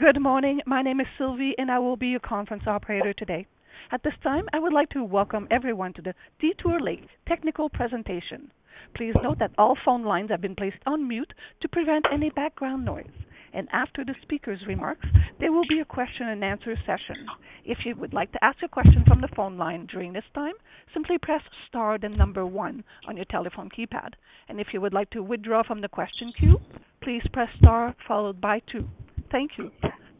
Good morning. My name is Sylvie, and I will be your conference operator today. At this time, I would like to welcome everyone to the Detour Lake technical presentation. Please note that all phone lines have been placed on mute to prevent any background noise. After the speaker's remarks, there will be a question-and-answer session. If you would like to ask a question from the phone line during this time, simply press star then number one on your telephone keypad. If you would like to withdraw from the question queue, please press star followed by two. Thank you.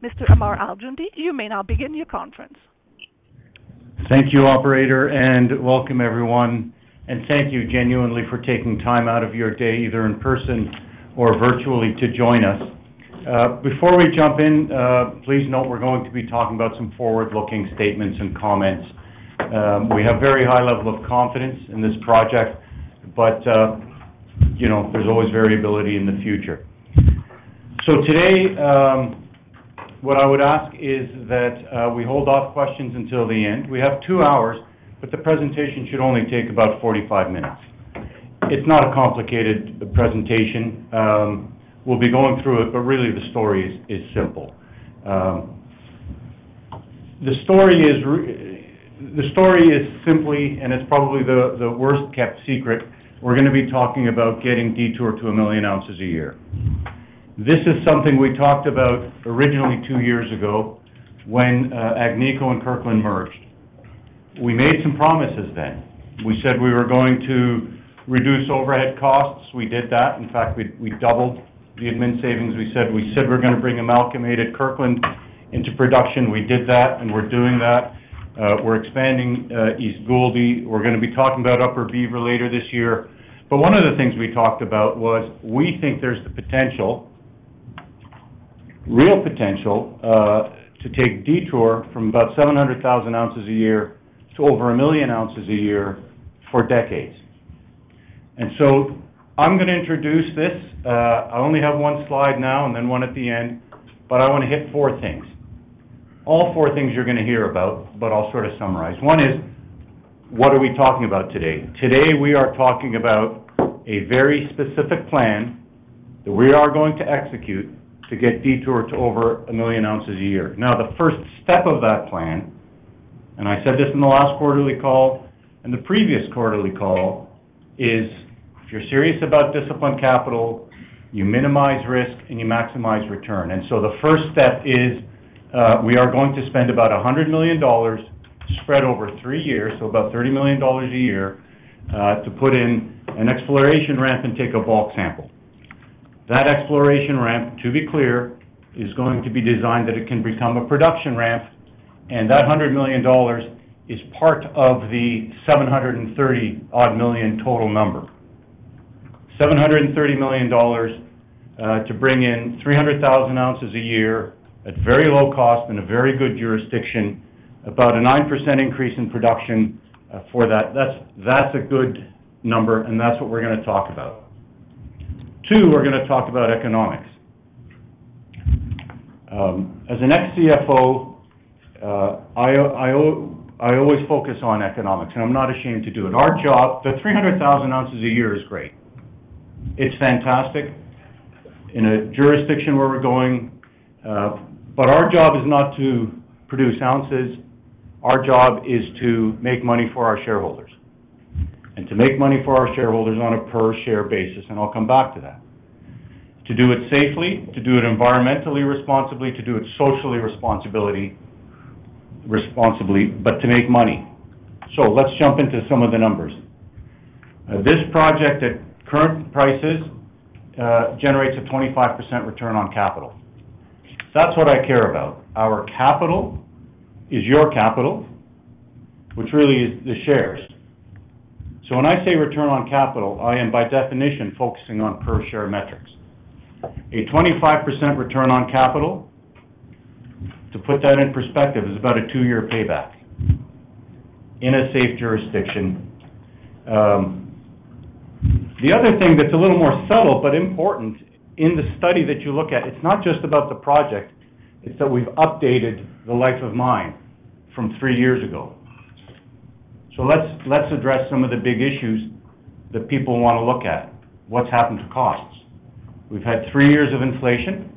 Mr. Ammar Al-Joundi, you may now begin your conference. Thank you, Operator, and welcome, everyone. And thank you genuinely for taking time out of your day, either in person or virtually, to join us. Before we jump in, please note we're going to be talking about some forward-looking statements and comments. We have a very high level of confidence in this project, but there's always variability in the future. So today, what I would ask is that we hold off questions until the end. We have two hours, but the presentation should only take about 45 minutes. It's not a complicated presentation. We'll be going through it, but really, the story is simple. The story is simply, and it's probably the worst-kept secret. We're going to be talking about getting Detour to 1 million ounces a year. This is something we talked about originally two years ago when Agnico and Kirkland merged. We made some promises then. We said we were going to reduce overhead costs. We did that. In fact, we doubled the admin savings. We said we're going to bring Amalgamated Kirkland into production. We did that, and we're doing that. We're expanding East Gouldie. We're going to be talking about Upper Beaver later this year. But one of the things we talked about was we think there's the potential, real potential, to take Detour from about 700,000 ounces a year to over 1 million ounces a year for decades. And so I'm going to introduce this. I only have one slide now and then one at the end, but I want to hit four things. All four things you're going to hear about, but I'll sort of summarize. One is, what are we talking about today? Today, we are talking about a very specific plan that we are going to execute to get Detour to over 1 million ounces a year. Now, the first step of that plan, and I said this in the last quarterly call and the previous quarterly call, is if you're serious about disciplined capital, you minimize risk and you maximize return. And so the first step is we are going to spend about $100 million spread over three years, so about $30 million a year, to put in an exploration ramp and take a bulk sample. That exploration ramp, to be clear, is going to be designed that it can become a production ramp. And that $100 million is part of the $730-odd million total number. $730 million to bring in 300,000 ounces a year at very low cost in a very good jurisdiction, about a 9% increase in production for that. That's a good number, and that's what we're going to talk about. Two, we're going to talk about economics. As an ex-CFO, I always focus on economics, and I'm not ashamed to do it. The 300,000 ounces a year is great. It's fantastic in a jurisdiction where we're going. But our job is not to produce ounces. Our job is to make money for our shareholders and to make money for our shareholders on a per-share basis. And I'll come back to that. To do it safely, to do it environmentally responsibly, to do it socially responsibly, but to make money. So let's jump into some of the numbers. This project, at current prices, generates a 25% return on capital. That's what I care about. Our capital is your capital, which really is the shares. So when I say return on capital, I am, by definition, focusing on per-share metrics. A 25% return on capital, to put that in perspective, is about a two-year payback in a safe jurisdiction. The other thing that's a little more subtle but important in the study that you look at, it's not just about the project. It's that we've updated the life of mine from three years ago. So let's address some of the big issues that people want to look at. What's happened to costs? We've had three years of inflation.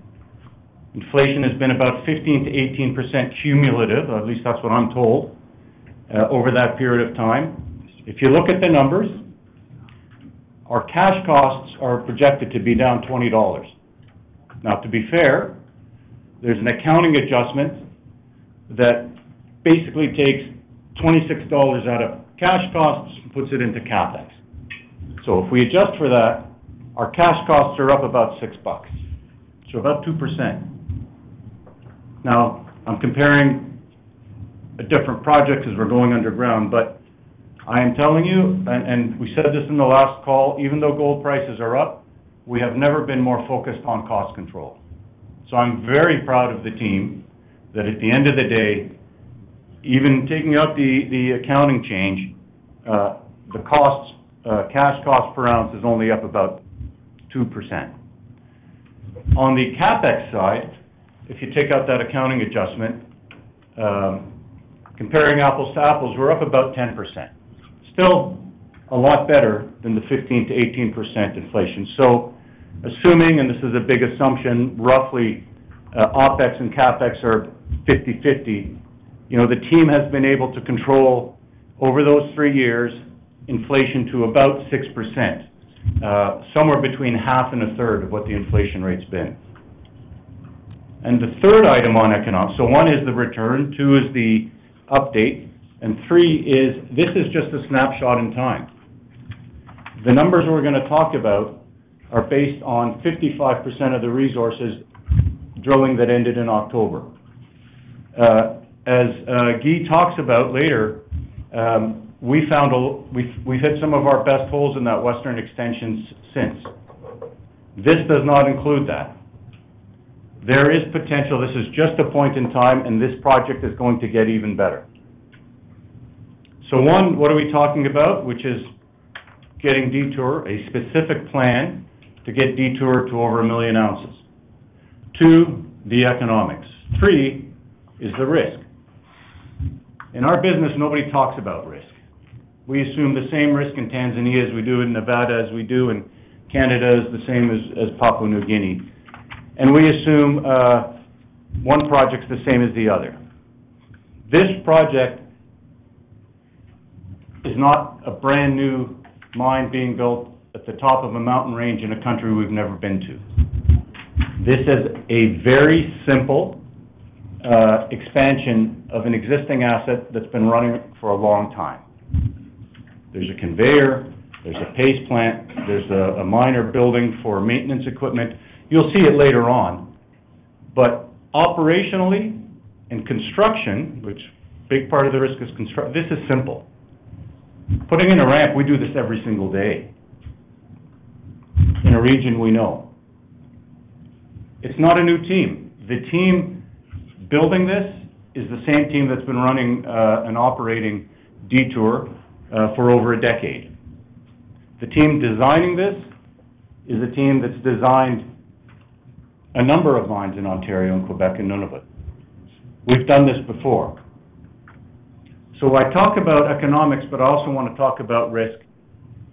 Inflation has been about 15% to 18% cumulative, or at least that's what I'm told, over that period of time. If you look at the numbers, our cash costs are projected to be down $20. Now, to be fair, there's an accounting adjustment that basically takes $26 out of cash costs and puts it into CapEx. So if we adjust for that, our cash costs are up about $6, so about 2%. Now, I'm comparing a different project because we're going underground, but I am telling you, and we said this in the last call, even though gold prices are up, we have never been more focused on cost control. So I'm very proud of the team that at the end of the day, even taking out the accounting change, the cash cost per ounce is only up about 2%. On the CapEx side, if you take out that accounting adjustment, comparing apples to apples, we're up about 10%. Still a lot better than the 15% to 18% inflation. So assuming, and this is a big assumption, roughly OpEx and CapEx are 50/50, the team has been able to control over those three years inflation to about 6%, somewhere between half and a third of what the inflation rate's been. And the third item on economics, so one is the return, two is the update, and three is this is just a snapshot in time. The numbers we're going to talk about are based on 55% of the resources drilling that ended in October. As Guy talks about later, we've hit some of our best holes in that western extension since. This does not include that. There is potential. This is just a point in time, and this project is going to get even better. So one, what are we talking about, which is getting Detour, a specific plan to get Detour to over a million ounces? Two, the economics. Three is the risk. In our business, nobody talks about risk. We assume the same risk in Tanzania as we do in Nevada, as we do in Canada, as the same as Papua New Guinea. And we assume one project's the same as the other. This project is not a brand new mine being built at the top of a mountain range in a country we've never been to. This is a very simple expansion of an existing asset that's been running for a long time. There's a conveyor. There's a paste plant. There's a mine building for maintenance equipment. You'll see it later on. But operationally and construction, which a big part of the risk is construction, this is simple. Putting in a ramp, we do this every single day in a region we know. It's not a new team. The team building this is the same team that's been running and operating Detour for over a decade. The team designing this is a team that's designed a number of mines in Ontario and Quebec, and none of it. We've done this before. So I talk about economics, but I also want to talk about risk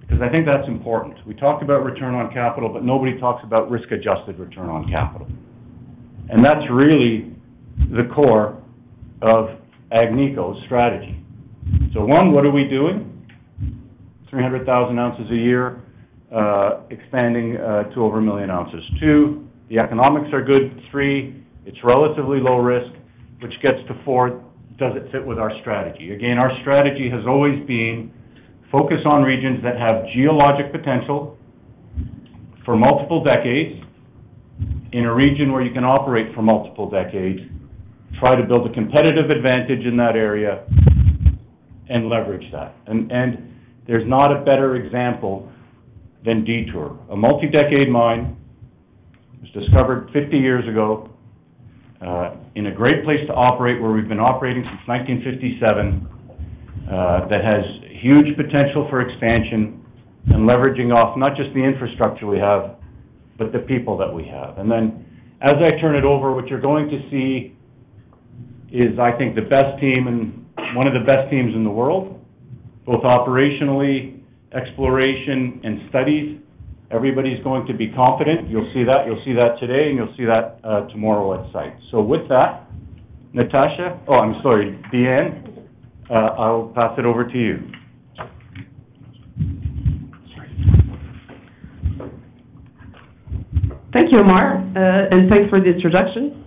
because I think that's important. We talk about return on capital, but nobody talks about risk-adjusted return on capital. And that's really the core of Agnico's strategy. So one, what are we doing? 300,000 ounces a year, expanding to over 1 million ounces. Two, the economics are good. Three, it's relatively low risk, which gets to four, does it fit with our strategy? Again, our strategy has always been focus on regions that have geologic potential for multiple decades in a region where you can operate for multiple decades, try to build a competitive advantage in that area, and leverage that. And there's not a better example than Detour. A multi-decade mine was discovered 50 years ago in a great place to operate where we've been operating since 1957 that has huge potential for expansion and leveraging off not just the infrastructure we have, but the people that we have. And then as I turn it over, what you're going to see is, I think, the best team and one of the best teams in the world, both operationally, exploration, and studies. Everybody's going to be confident. You'll see that. You'll see that today, and you'll see that tomorrow at site. So with that, Natasha—oh, I'm sorry. Dyane, I'll pass it over to you. Thank you, Ammar. Thanks for the introduction.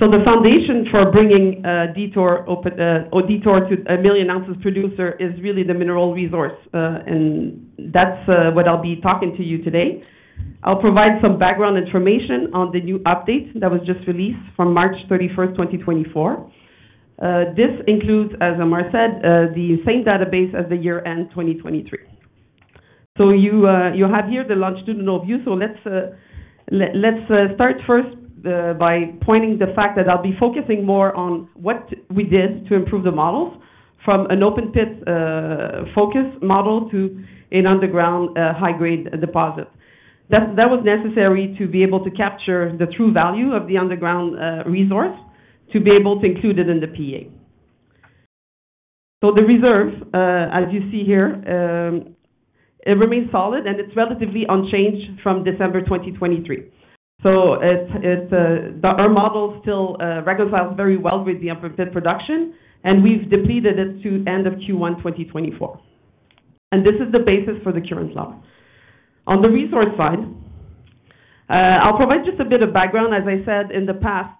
The foundation for bringing Detour to a 1 million ounces producer is really the mineral resource. That's what I'll be talking to you today. I'll provide some background information on the new update that was just released from March 31st, 2024. This includes, as Ammar said, the same database as the year-end 2023. You have here the longitudinal view. Let's start first by pointing the fact that I'll be focusing more on what we did to improve the models from an open-pit focus model to an underground high-grade deposit. That was necessary to be able to capture the true value of the underground resource to be able to include it in the PEA. The reserve, as you see here, it remains solid, and it's relatively unchanged from December 2023. So our model still reconciles very well with the open-pit production, and we've depleted it to end of Q1 2024. And this is the basis for the current law. On the resource side, I'll provide just a bit of background. As I said, in the past,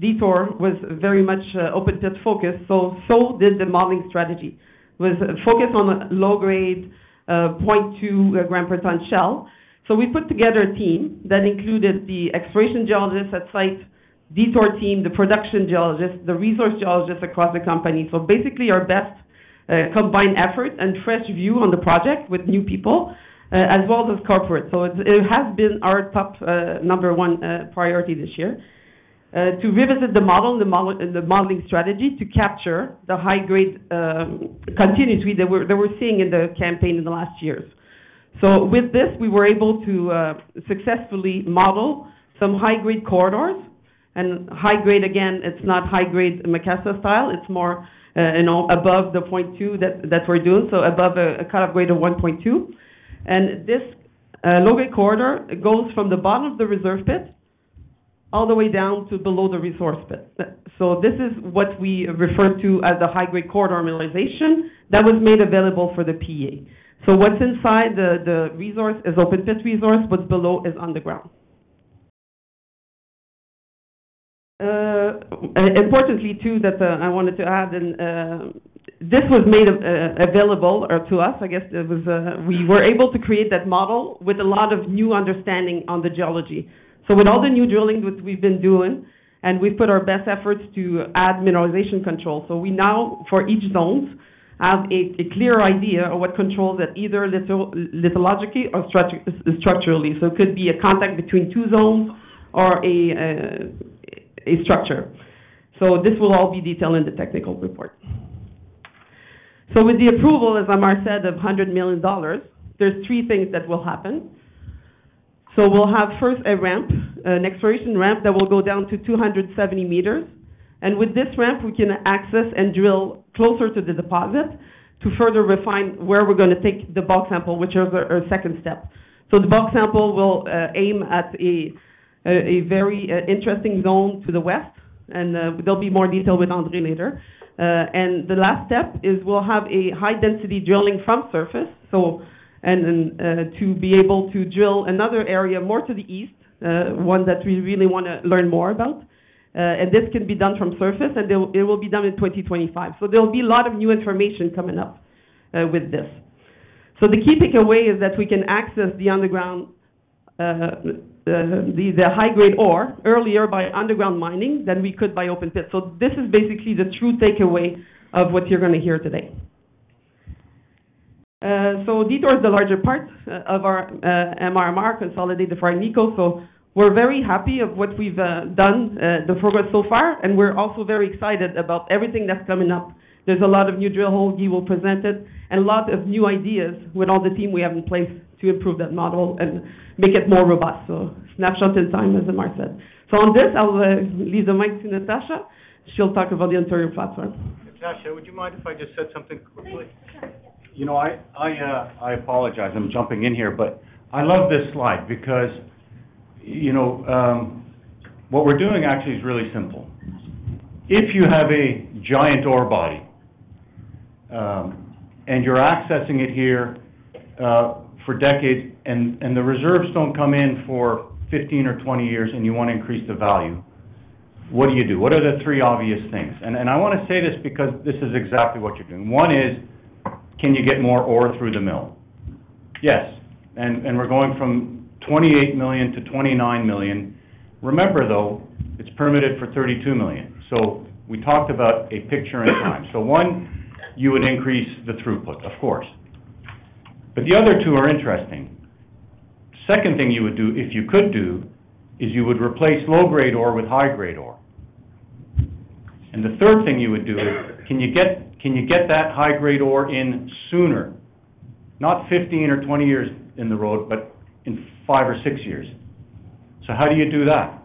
Detour was very much open-pit focused, so did the modeling strategy. It was focused on a low-grade, 0.2 gram per ton shell. So we put together a team that included the exploration geologist at site, Detour team, the production geologist, the resource geologist across the company. So basically, our best combined effort and fresh view on the project with new people as well as corporate. So it has been our top number one priority this year to revisit the model and the modeling strategy to capture the high-grade continuity that we're seeing in the campaign in the last years. So with this, we were able to successfully model some high-grade corridors. High-grade, again, it's not high-grade Macassa style. It's more above the 0.2 that we're doing, so above a cutoff greater 1.2. And this low-grade corridor goes from the bottom of the reserve pit all the way down to below the resource pit. So this is what we refer to as the high-grade corridor mineralization that was made available for the PEA. So what's inside the resource is open-pit resource, but below is underground. Importantly, too, that I wanted to add, this was made available to us. I guess we were able to create that model with a lot of new understanding on the geology. So with all the new drilling that we've been doing, and we've put our best efforts to add mineralization control. We now, for each zone, have a clear idea of what controls it either lithologically or structurally. It could be a contact between two zones or a structure. This will all be detailed in the technical report. With the approval, as Ammar said, of $100 million, there are three things that will happen. We'll have first a ramp, an exploration ramp that will go down to 270 meters. With this ramp, we can access and drill closer to the deposit to further refine where we're going to take the bulk sample, which is our second step. The bulk sample will aim at a very interesting zone to the west. There'll be more detail with Andre later. The last step is we'll have a high-density drilling from surface to be able to drill another area more to the east, one that we really want to learn more about. This can be done from surface, and it will be done in 2025. There'll be a lot of new information coming up with this. The key takeaway is that we can access the underground, the high-grade ore earlier by underground mining than we could by open-pit. This is basically the true takeaway of what you're going to hear today. Detour is the larger part of our MRMR, Consolidated for Agnico. We're very happy of what we've done, the progress so far, and we're also very excited about everything that's coming up. There's a lot of new drill holes. Guy will present it and a lot of new ideas with all the team we have in place to improve that model and make it more robust. Snapshot in time, as Ammar said. On this, I'll leave the mic to Natasha. She'll talk about the Ontario platform. Natasha, would you mind if I just said something quickly? Sure. Yeah. I apologize. I'm jumping in here, but I love this slide because what we're doing actually is really simple. If you have a giant ore body and you're accessing it here for decades and the reserves don't come in for 15 or 20 years and you want to increase the value, what do you do? What are the three obvious things? I want to say this because this is exactly what you're doing. One is, can you get more ore through the mill? Yes. And we're going from 28 million to 29 million. Remember, though, it's permitted for 32 million. So we talked about a picture in time. So one, you would increase the throughput, of course. But the other two are interesting. The second thing you would do, if you could do, is you would replace low-grade ore with high-grade ore. And the third thing you would do is, can you get that high-grade ore in sooner, not 15 or 20 years down the road, but in five or six years? So how do you do that?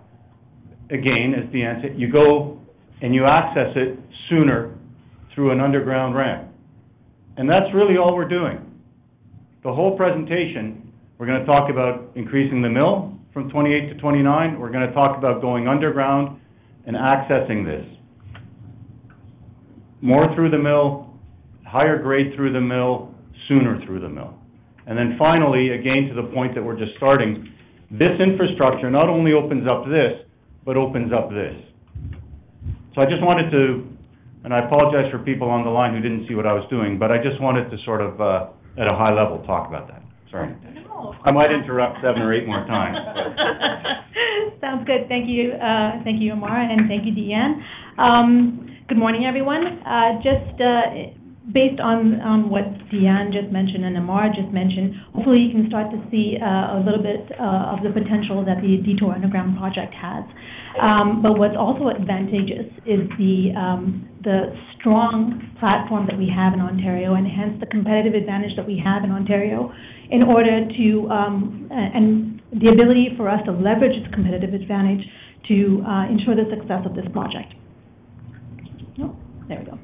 Again, as Dyane said, you go and you access it sooner through an underground ramp. And that's really all we're doing. The whole presentation, we're going to talk about increasing the mill from 28 to 29. We're going to talk about going underground and accessing this more through the mill, higher grade through the mill, sooner through the mill. And then finally, again, to the point that we're just starting, this infrastructure not only opens up this, but opens up this. So I just wanted to, and I apologize for people on the line who didn't see what I was doing, but I just wanted to sort of, at a high level, talk about that. Sorry. I might interrupt seven or eight more times. Sounds good. Thank you. Thank you, Ammar, and thank you, Dyane. Good morning, everyone. Just based on what Dyane just mentioned and Ammar just mentioned, hopefully, you can start to see a little bit of the potential that the Detour Underground Project has. But what's also advantageous is the strong platform that we have in Ontario and, hence, the competitive advantage that we have in Ontario in order to, and the ability for us to leverage its competitive advantage to ensure the success of this project. There we go.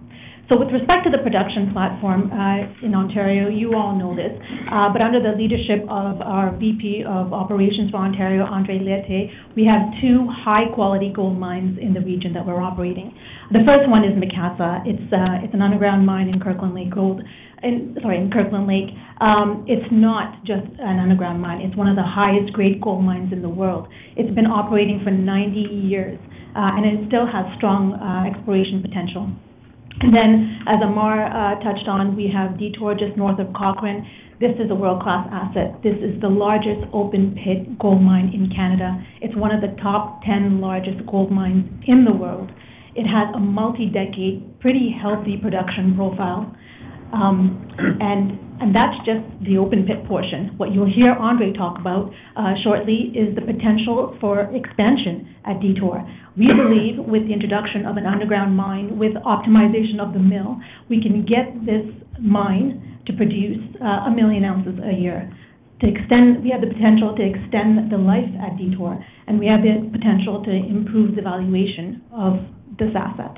So with respect to the production platform in Ontario, you all know this, but under the leadership of our VP of Operations for Ontario, Andre Leite, we have two high-quality gold mines in the region that we're operating. The first one is Macassa. It's an underground mine in Kirkland Lake Gold. Sorry, in Kirkland Lake. It's not just an underground mine. It's one of the highest-grade gold mines in the world. It's been operating for 90 years, and it still has strong exploration potential. And then, as Ammar touched on, we have Detour just north of Cochrane. This is a world-class asset. This is the largest open-pit gold mine in Canada. It's one of the top 10 largest gold mines in the world. It has a multi-decade, pretty healthy production profile. And that's just the open-pit portion. What you'll hear Andre talk about shortly is the potential for expansion at Detour. We believe with the introduction of an underground mine with optimization of the mill, we can get this mine to produce 1 million ounces a year. We have the potential to extend the life at Detour, and we have the potential to improve the valuation of this asset.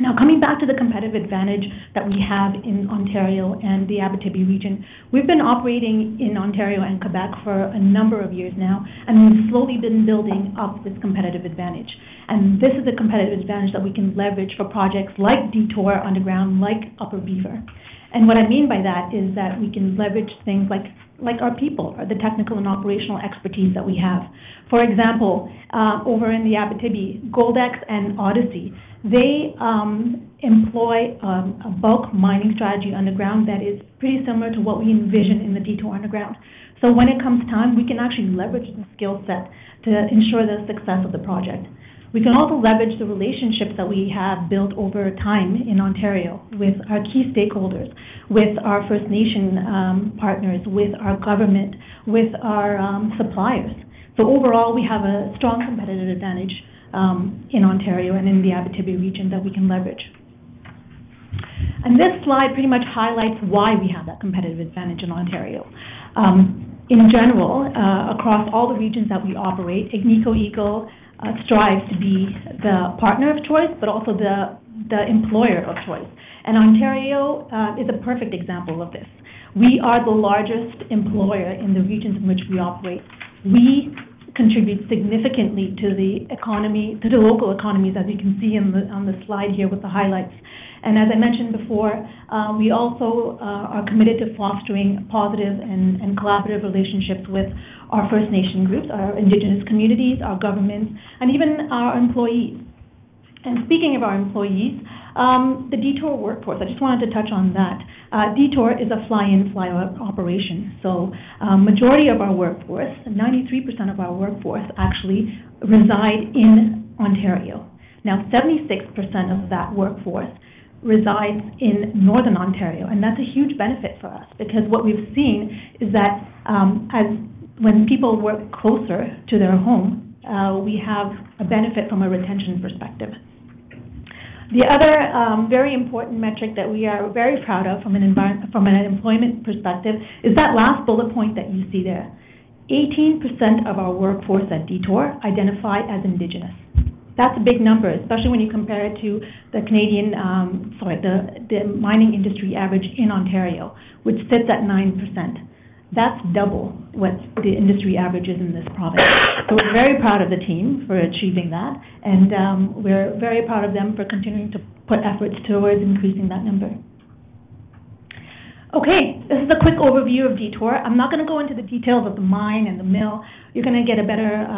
Now, coming back to the competitive advantage that we have in Ontario and the Abitibi region, we've been operating in Ontario and Quebec for a number of years now, and we've slowly been building up this competitive advantage. This is a competitive advantage that we can leverage for projects like Detour Underground, like Upper Beaver. What I mean by that is that we can leverage things like our people, the technical and operational expertise that we have. For example, over in the Abitibi, Goldex and Odyssey, they employ a bulk mining strategy underground that is pretty similar to what we envision in the Detour Underground. When it comes time, we can actually leverage the skill set to ensure the success of the project. We can also leverage the relationships that we have built over time in Ontario with our key stakeholders, with our First Nation partners, with our government, with our suppliers. Overall, we have a strong competitive advantage in Ontario and in the Abitibi region that we can leverage. This slide pretty much highlights why we have that competitive advantage in Ontario. In general, across all the regions that we operate, Agnico Eagle strives to be the partner of choice, but also the employer of choice. Ontario is a perfect example of this. We are the largest employer in the regions in which we operate. We contribute significantly to the local economies, as you can see on the slide here with the highlights. As I mentioned before, we also are committed to fostering positive and collaborative relationships with our First Nation groups, our Indigenous communities, our governments, and even our employees. Speaking of our employees, the Detour workforce, I just wanted to touch on that. Detour is a fly-in, fly-out operation. The majority of our workforce, 93% of our workforce, actually reside in Ontario. Now, 76% of that workforce resides in northern Ontario. That's a huge benefit for us because what we've seen is that when people work closer to their home, we have a benefit from a retention perspective. The other very important metric that we are very proud of from an employment perspective is that last bullet point that you see there. 18% of our workforce at Detour identify as Indigenous. That's a big number, especially when you compare it to the Canadian, sorry, the mining industry average in Ontario, which sits at 9%. That's double what the industry average is in this province. So we're very proud of the team for achieving that, and we're very proud of them for continuing to put efforts towards increasing that number. Okay. This is a quick overview of Detour. I'm not going to go into the details of the mine and the mill. You're going to get a better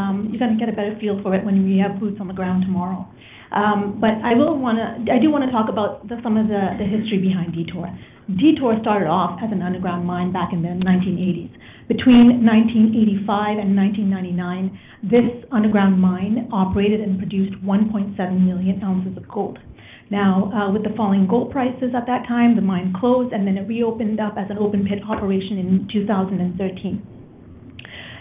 feel for it when we have boots on the ground tomorrow. But I do want to talk about some of the history behind Detour. Detour started off as an underground mine back in the 1980s. Between 1985 and 1999, this underground mine operated and produced 1.7 million ounces of gold. Now, with the falling gold prices at that time, the mine closed, and then it reopened up as an open-pit operation in 2013.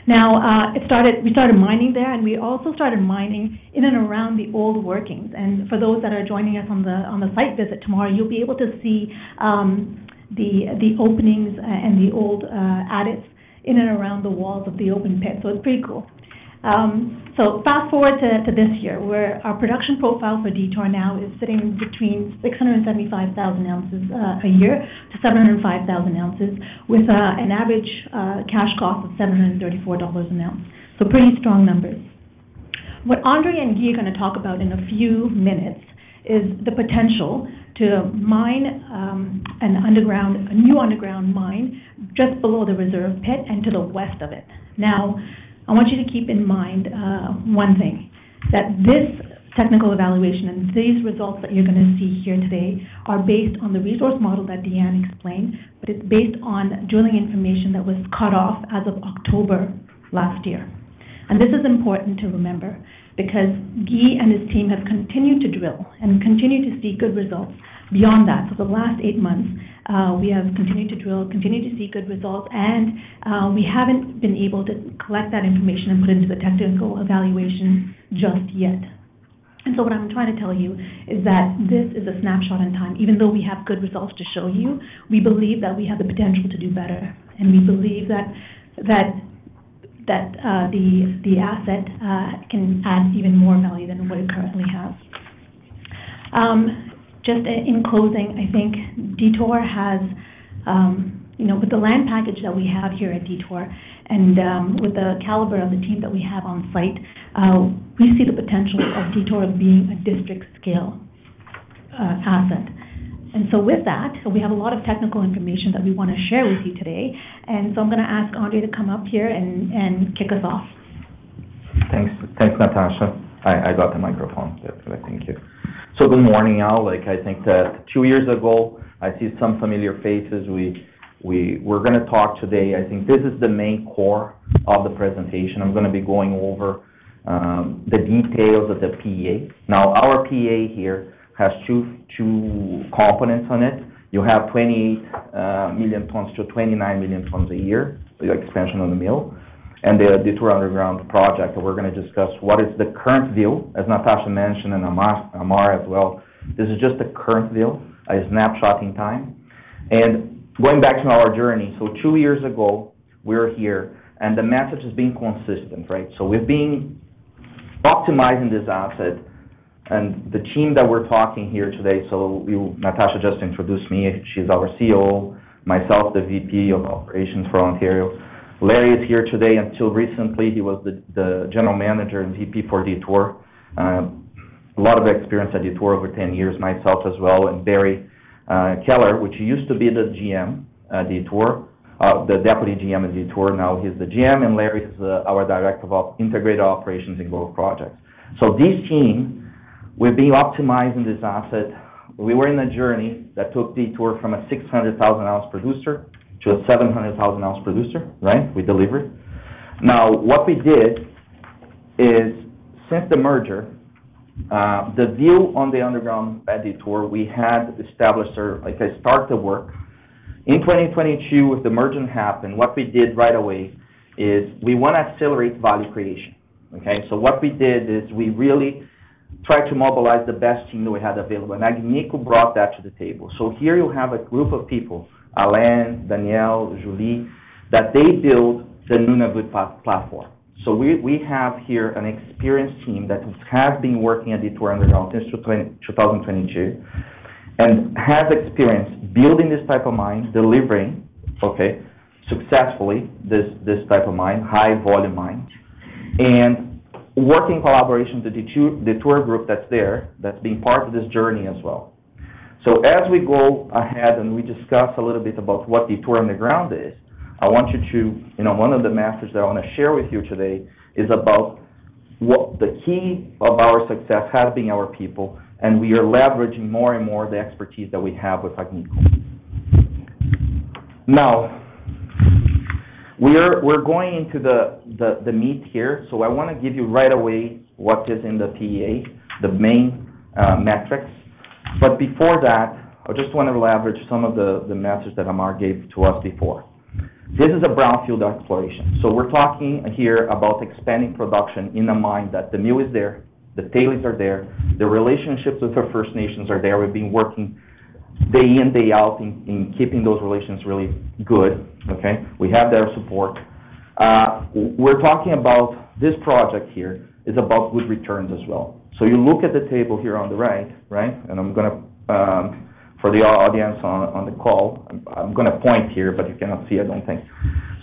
Now, we started mining there, and we also started mining in and around the old workings. For those that are joining us on the site visit tomorrow, you'll be able to see the openings and the old adits in and around the walls of the open pit. It's pretty cool. Fast forward to this year, where our production profile for Detour now is sitting between 675,000 to 705,000 ounces a year with an average cash cost of $734 an ounce. Pretty strong numbers. What Andre and Guy are going to talk about in a few minutes is the potential to mine a new underground mine just below the reserve pit and to the west of it. Now, I want you to keep in mind one thing, that this technical evaluation and these results that you're going to see here today are based on the resource model that Dyane explained, but it's based on drilling information that was cut off as of October last year. This is important to remember because Guy and his team have continued to drill and continued to see good results beyond that. For the last eight months, we have continued to drill, continued to see good results, and we haven't been able to collect that information and put it into the technical evaluation just yet. What I'm trying to tell you is that this is a snapshot in time. Even though we have good results to show you, we believe that we have the potential to do better, and we believe that the asset can add even more value than what it currently has. Just in closing, I think Detour has, with the land package that we have here at Detour and with the caliber of the team that we have on site, we see the potential of Detour being a district-scale asset. And so with that, we have a lot of technical information that we want to share with you today. And so I'm going to ask Andre to come up here and kick us off. Thanks, Natasha. I got the microphone. Thank you. So good morning, Alec. I think that two years ago, I see some familiar faces. We're going to talk today. I think this is the main core of the presentation. I'm going to be going over the details of the PEA. Now, our PEA here has two components on it. You have 28 million tons to 29 million tons a year with the expansion of the mill. And the Detour Underground Project, we're going to discuss what is the current view, as Natasha mentioned and Ammar as well. This is just the current view, a snapshot in time. And going back to our journey, so two years ago, we're here, and the message has been consistent, right? So we've been optimizing this asset, and the team that we're talking here today, so Natasha just introduced me. She's our COO, myself, the VP of Operations for Ontario. Larry is here today. Until recently, he was the general manager and VP for Detour. A lot of experience at Detour over 10 years, myself as well, and Barry Keller, which used to be the GM at Detour, the deputy GM at Detour. Now he's the GM, and Larry is our director of integrated operations and gold projects. So this team, we've been optimizing this asset. We were in a journey that took Detour from a 600,000-ounce producer to a 700,000-ounce producer, right? We delivered. Now, what we did is, since the merger, the view on the underground at Detour, we had established or started to work. In 2022, with the merger happened, what we did right away is we want to accelerate value creation. Okay? So what we did is we really tried to mobilize the best team that we had available, and Agnico brought that to the table. So here you have a group of people, Alain, Dyane, Julie, that they build the Nunavut platform. So we have here an experienced team that has been working at Detour Underground since 2022 and has experience building this type of mine, delivering, okay, successfully this type of mine, high-volume mine, and working in collaboration with the Detour group that's there, that's been part of this journey as well. So as we go ahead and we discuss a little bit about what Detour Underground is, I want you to, one of the messages that I want to share with you today is about what the key of our success has been our people, and we are leveraging more and more the expertise that we have with Agnico. Now, we're going into the meat here, so I want to give you right away what is in the PEA, the main metrics. But before that, I just want to leverage some of the message that Ammar gave to us before. This is a brownfield exploration. So we're talking here about expanding production in a mine that the mill is there, the tailings are there, the relationships with our First Nations are there. We've been working day in, day out in keeping those relations really good. Okay? We have their support. We're talking about this project here is about good returns as well. So you look at the table here on the right, right? And I'm going to, for the audience on the call, I'm going to point here, but you cannot see it, I don't think.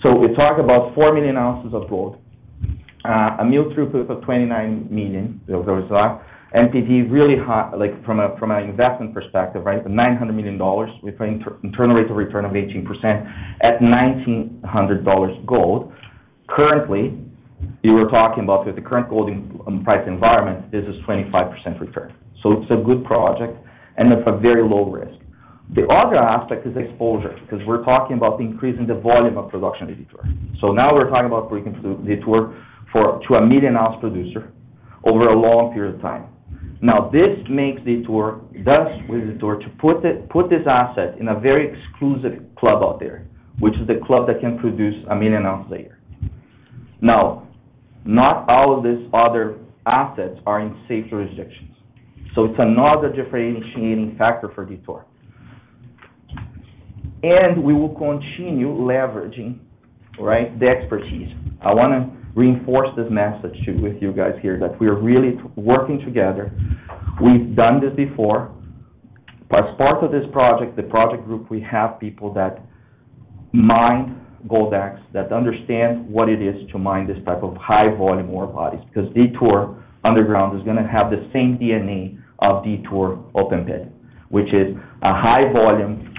So we talk about 4 million ounces of gold, a mill throughput of 29 million. There was an NPV really high from an investment perspective, right? $900 million. We've had an internal rate of return of 18% at $1,900 gold. Currently, you were talking about with the current gold price environment, this is 25% return. So it's a good project and it's a very low risk. The other aspect is exposure because we're talking about increasing the volume of production at Detour. So now we're talking about bringing Detour to a million-ounce producer over a long period of time. Now, this makes Detour, thus with Detour, to put this asset in a very exclusive club out there, which is the club that can produce a million ounces a year. Now, not all of these other assets are in safe jurisdictions. So it's another differentiating factor for Detour. And we will continue leveraging, right, the expertise. I want to reinforce this message with you guys here that we are really working together. We've done this before. As part of this project, the project group, we have people that mine Goldex that understand what it is to mine this type of high-volume ore bodies because Detour Underground is going to have the same DNA of Detour Open Pit, which is a high-volume,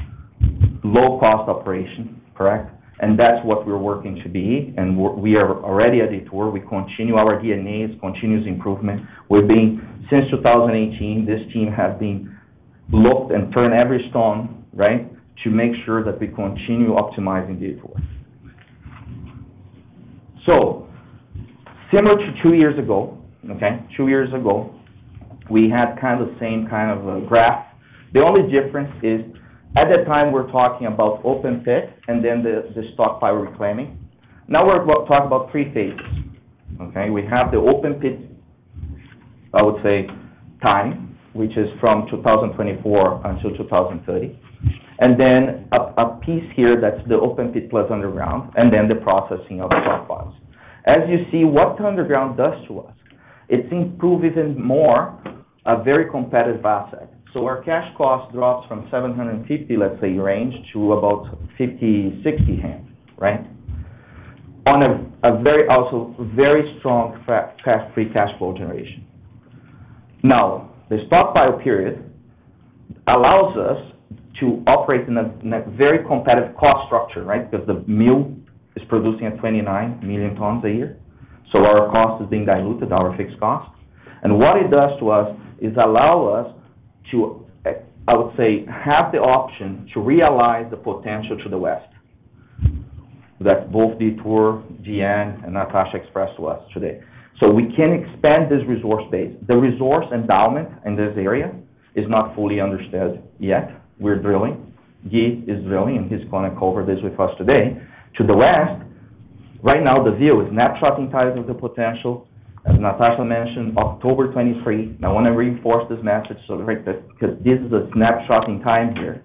low-cost operation, correct? And that's what we're working to be. And we are already at Detour. We continue our DNAs, continuous improvement. Since 2018, this team has been looking and turning every stone, right, to make sure that we continue optimizing Detour. So similar to two years ago, okay? Two years ago, we had kind of the same kind of graph. The only difference is at that time, we're talking about open pit and then the stockpile reclaiming. Now we're talking about three phases. Okay? We have the open pit, I would say, time, which is from 2024 until 2030. And then a piece here that's the open pit plus underground, and then the processing of stockpiles. As you see what the underground does to us, it's improved even more a very competitive asset. So our cash cost drops from $750, let's say, range to about $500 to $600, right? On a very also very strong free cash flow generation. Now, the stockpile period allows us to operate in a very competitive cost structure, right? Because the mill is producing 29 million tons a year. So our cost is being diluted, our fixed cost. And what it does to us is allow us to, I would say, have the option to realize the potential to the west that both Detour, Dyane, and Natasha expressed to us today. So we can expand this resource base. The resource endowment in this area is not fully understood yet. We're drilling. Guy is drilling, and he's going to cover this with us today. To the west, right now, the view is snapshot in time of the potential. As Natasha mentioned, October 2023. I want to reinforce this message because this is a snapshot in time here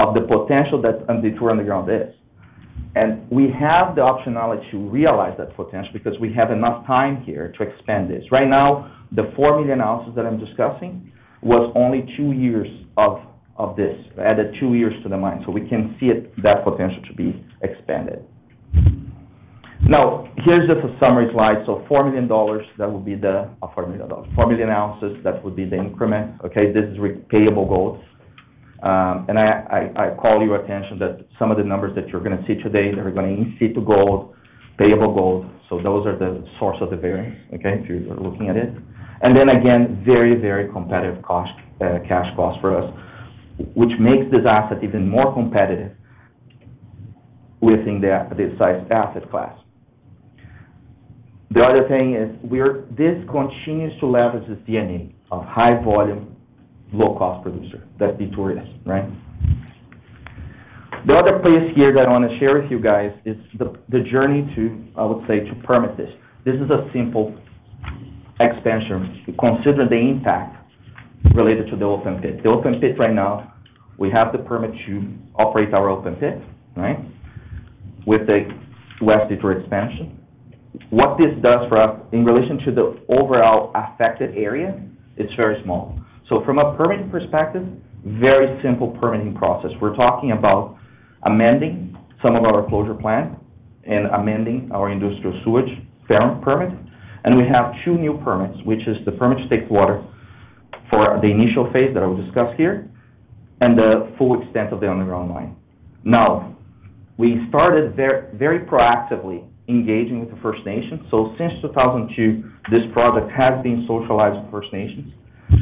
of the potential that Detour Underground is. And we have the optionality to realize that potential because we have enough time here to expand this. Right now, the 4 million ounces that I'm discussing was only two years of this. I added two years to the mine. So we can see that potential to be expanded. Now, here's just a summary slide. So 4 million, that would be the 4 million. 4 million ounces, that would be the increment. Okay? This is payable gold. And I call your attention that some of the numbers that you're going to see today, they're going to see to gold, payable gold. So those are the source of the variance, okay, if you're looking at it. And then again, very, very competitive cash cost for us, which makes this asset even more competitive within this asset class. The other thing is this continues to leverage this DNA of high-volume, low-cost producer that Detour is, right? The other piece here that I want to share with you guys is the journey to, I would say, to permit this. This is a simple expansion. Consider the impact related to the open pit. The open pit right now, we have the permit to operate our open pit, right, with the West Detour expansion. What this does for us in relation to the overall affected area, it's very small. So from a permitting perspective, very simple permitting process. We're talking about amending some of our closure plan and amending our industrial sewage permit. We have two new permits, which is the Permit to Take Water for the initial phase that I will discuss here and the full extent of the underground mine. Now, we started very proactively engaging with the First Nations. So since 2002, this project has been socialized with First Nations.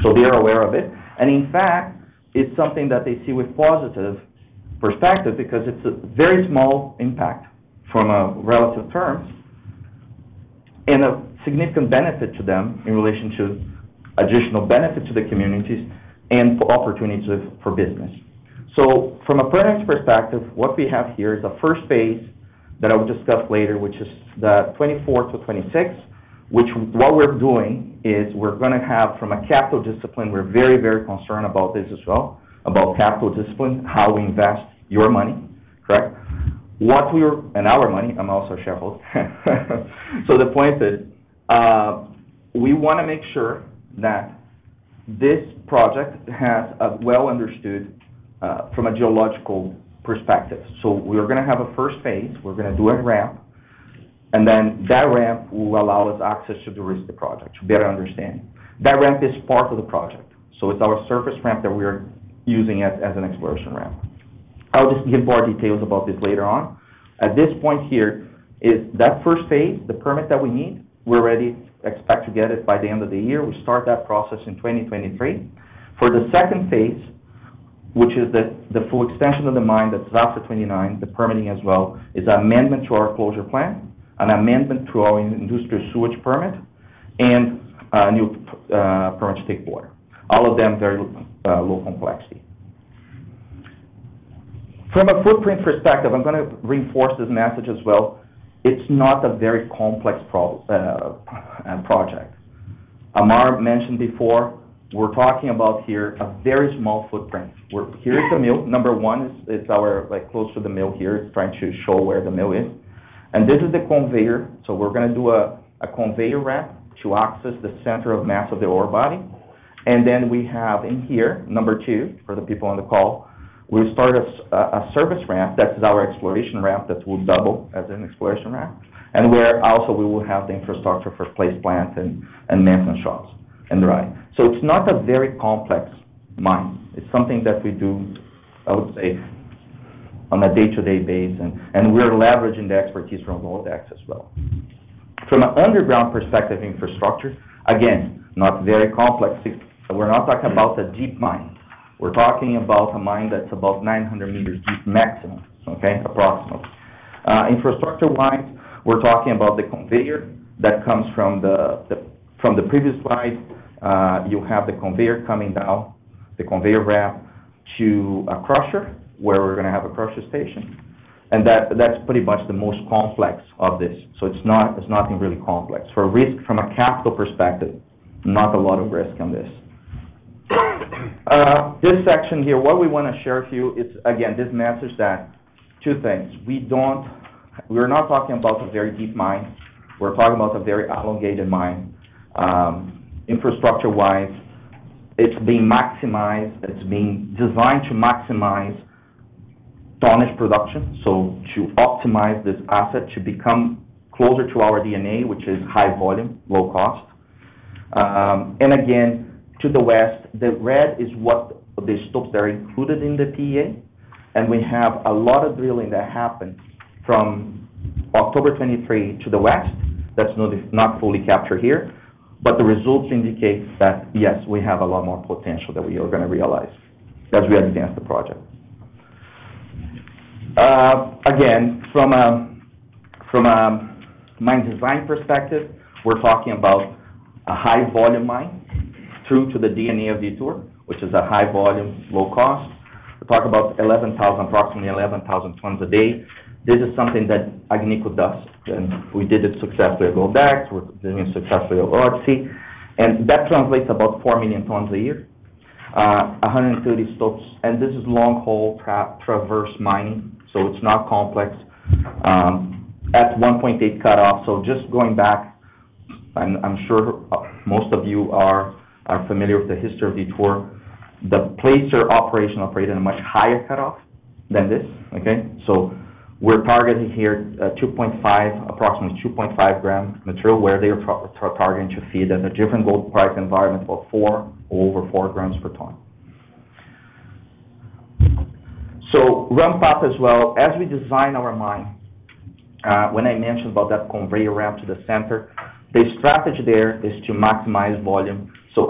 So they are aware of it. In fact, it's something that they see with positive perspective because it's a very small impact from a relative term and a significant benefit to them in relation to additional benefit to the communities and opportunities for business. So from a permit perspective, what we have here is a first phase that I will discuss later, which is the 2024 to 2026, which what we're doing is we're going to have from a capital discipline. We're very, very concerned about this as well, about capital discipline, how we invest your money, correct? What we're and our money. I'm also a shareholder. So the point is we want to make sure that this project has a well-understood from a geological perspective. So we're going to have a first phase. We're going to do a ramp, and then that ramp will allow us access to the rest of the project to better understand. That ramp is part of the project. So it's our surface ramp that we're using as an exploration ramp. I'll just give more details about this later on. At this point here is that first phase, the permit that we need. We already expect to get it by the end of the year. We start that process in 2023. For the second phase, which is the full extension of the mine that's after 2029, the permitting as well is an amendment to our closure plan, an amendment to our industrial sewage permit, and a new Permit to Take Water. All of them very low complexity. From a footprint perspective, I'm going to reinforce this message as well. It's not a very complex project. Ammar mentioned before, we're talking about here a very small footprint. Here's the mill. Number one, it's close to the mill here. It's trying to show where the mill is. And this is the conveyor. So we're going to do a conveyor ramp to access the center of mass of the ore body. And then we have in here, number two, for the people on the call, we'll start a service ramp. That's our exploration ramp that will double as an exploration ramp. And also we will have the infrastructure for paste plant and maintenance shops and dry. So it's not a very complex mine. It's something that we do, I would say, on a day-to-day basis. And we're leveraging the expertise from Goldex as well. From an underground perspective, infrastructure, again, not very complex. We're not talking about the deep mine. We're talking about a mine that's about 900 meters deep maximum, okay, approximately. Infrastructure-wise, we're talking about the conveyor that comes from the previous slide. You have the conveyor coming down, the conveyor ramp to a crusher where we're going to have a crusher station. And that's pretty much the most complex of this. So it's nothing really complex. For risk from a capital perspective, not a lot of risk on this. This section here, what we want to share with you is, again, this message that two things. We are not talking about a very deep mine. We're talking about a very elongated mine. Infrastructure-wise, it's being maximized. It's being designed to maximize tonnage production. So to optimize this asset to become closer to our DNA, which is high volume, low cost. And again, to the west, the red is what the stopes that are included in the PEA. We have a lot of drilling that happened from October 23 to the west. That's not fully captured here. But the results indicate that, yes, we have a lot more potential that we are going to realize as we advance the project. Again, from a mine design perspective, we're talking about a high-volume mine true to the DNA of Detour, which is a high volume, low cost. We're talking about approximately 11,000 tons a day. This is something that Agnico does. And we did it successfully at Goldex. We're doing it successfully at Odyssey. And that translates to about 4 million tons a year. 130 stopes. And this is long-hole transverse mining. So it's not complex. At 1.8 cutoff. So just going back, I'm sure most of you are familiar with the history of Detour. The Placer operation operated in a much higher cutoff than this. Okay? So we're targeting here approximately 2.5 gram material where they are targeting to feed at a different gold price environment of over 4 grams per ton. So ramp up as well. As we design our mine, when I mentioned about that conveyor ramp to the center, the strategy there is to maximize volume. So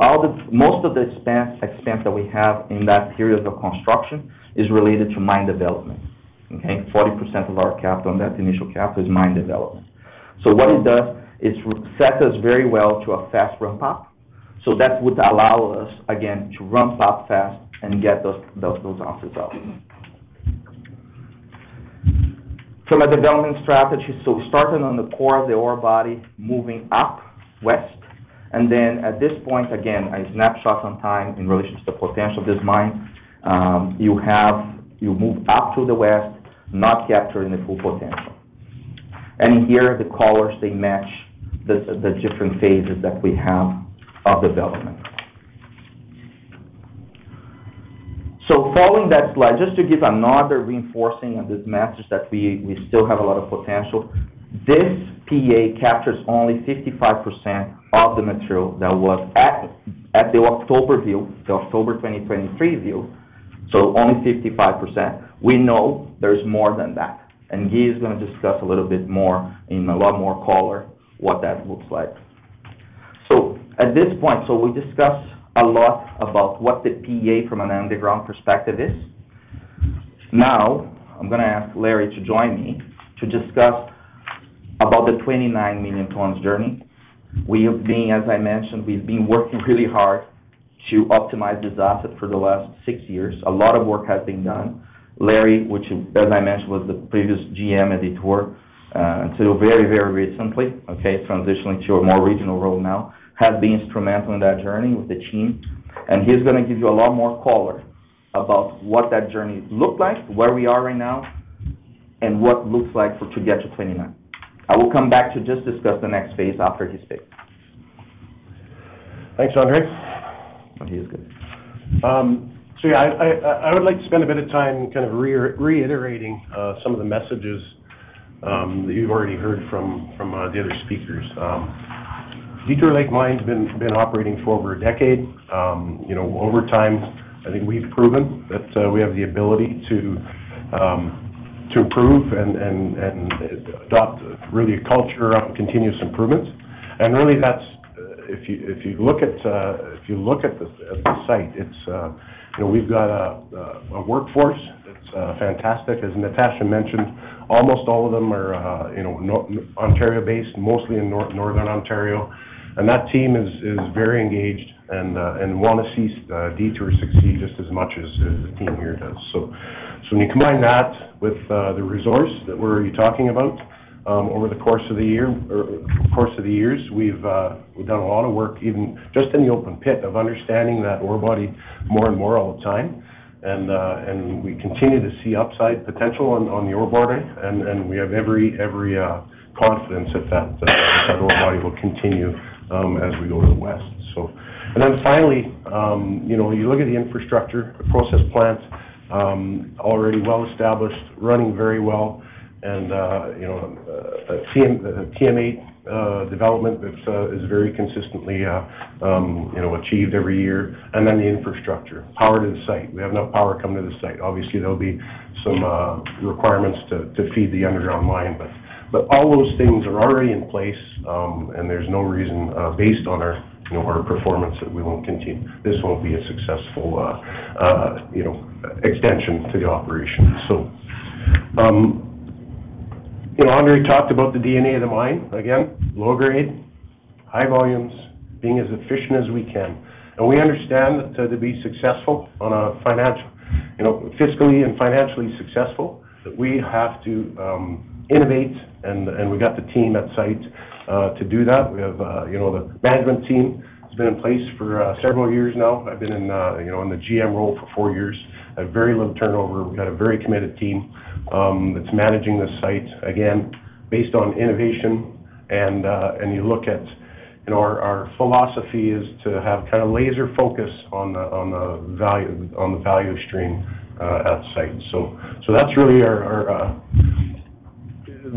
most of the expense that we have in that period of construction is related to mine development. Okay? 40% of our capital on that initial capital is mine development. So what it does is set us very well to a fast ramp up. So that would allow us, again, to ramp up fast and get those ounces out. From a development strategy, so starting on the core of the ore body, moving up west. And then at this point, again, I snapshot some time in relation to the potential of this mine. You move up to the west, not capturing the full potential. And here, the colors, they match the different phases that we have of development. So following that slide, just to give another reinforcing on this message that we still have a lot of potential. This PEA captures only 55% of the material that was at the October view, the October 2023 view. So only 55%. We know there's more than that. And Guy is going to discuss a little bit more in a lot more color what that looks like. So at this point, so we discussed a lot about what the PEA from an underground perspective is. Now, I'm going to ask Larry to join me to discuss about the 29 million tons journey. As I mentioned, we've been working really hard to optimize this asset for the last six years. A lot of work has been done. Larry, which, as I mentioned, was the previous GM at Detour until very, very recently, okay, transitioning to a more regional role now, has been instrumental in that journey with the team. He's going to give you a lot more color about what that journey looked like, where we are right now, and what looks like to get to 29. I will come back to just discuss the next phase after his speech. Thanks, Andre. Oh, he is good. So yeah, I would like to spend a bit of time kind of reiterating some of the messages that you've already heard from the other speakers. Detour Lake Mine's been operating for over a decade. Over time, I think we've proven that we have the ability to improve and adopt really a culture of continuous improvement. And really, if you look at the site, we've got a workforce that's fantastic. As Natasha mentioned, almost all of them are Ontario-based, mostly in northern Ontario. And that team is very engaged and want to see Detour succeed just as much as the team here does. So when you combine that with the resource that we're talking about over the course of the years, we've done a lot of work, even just in the open pit of understanding that ore body more and more all the time. We continue to see upside potential on the ore body. We have every confidence that that ore body will continue as we go to the west. Then finally, you look at the infrastructure, the process plant, already well established, running very well, and TMA development that is very consistently achieved every year. Then the infrastructure, power to the site. We have enough power coming to the site. Obviously, there will be some requirements to feed the underground mine. But all those things are already in place, and there's no reason based on our performance that we won't continue. This won't be a successful extension to the operation. So Andre talked about the DNA of the mine. Again, low grade, high volumes, being as efficient as we can. We understand that to be successful on a fiscally and financially successful, we have to innovate. And we got the team at site to do that. We have the management team that's been in place for several years now. I've been in the GM role for four years. I have very little turnover. We've got a very committed team that's managing this site. Again, based on innovation. And you look at our philosophy is to have kind of laser focus on the value stream at site. So that's really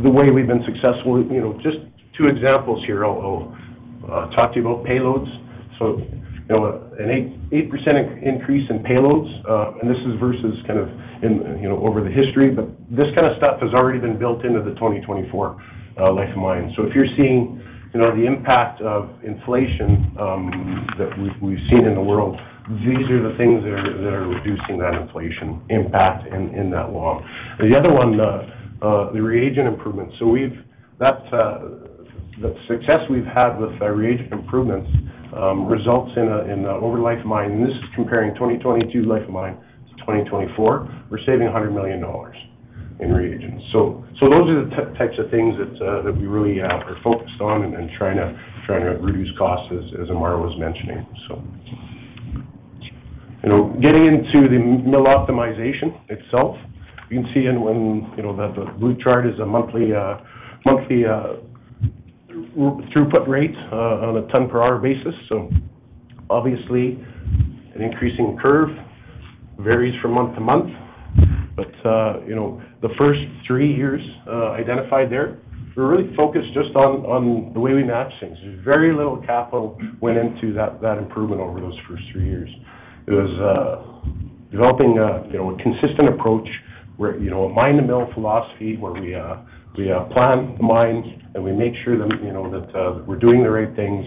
the way we've been successful. Just two examples here. I'll talk to you about payloads. So an 8% increase in payloads. And this is versus kind of over the history. But this kind of stuff has already been built into the 2024 life of mine. So if you're seeing the impact of inflation that we've seen in the world, these are the things that are reducing that inflation impact in that long. The other one, the reagent improvements. So the success we've had with reagent improvements results in over life mine. And this is comparing 2022 life mine to 2024. We're saving $100 million in reagents. So those are the types of things that we really are focused on and trying to reduce costs, as Ammar was mentioning. So getting into the mill optimization itself, you can see in the blue chart is a monthly throughput rate on a ton per hour basis. So obviously, an increasing curve varies from month to month. But the first three years identified there, we're really focused just on the way we match things. Very little capital went into that improvement over those first three years. It was developing a consistent approach where a mine to mill philosophy where we plan the mine and we make sure that we're doing the right things,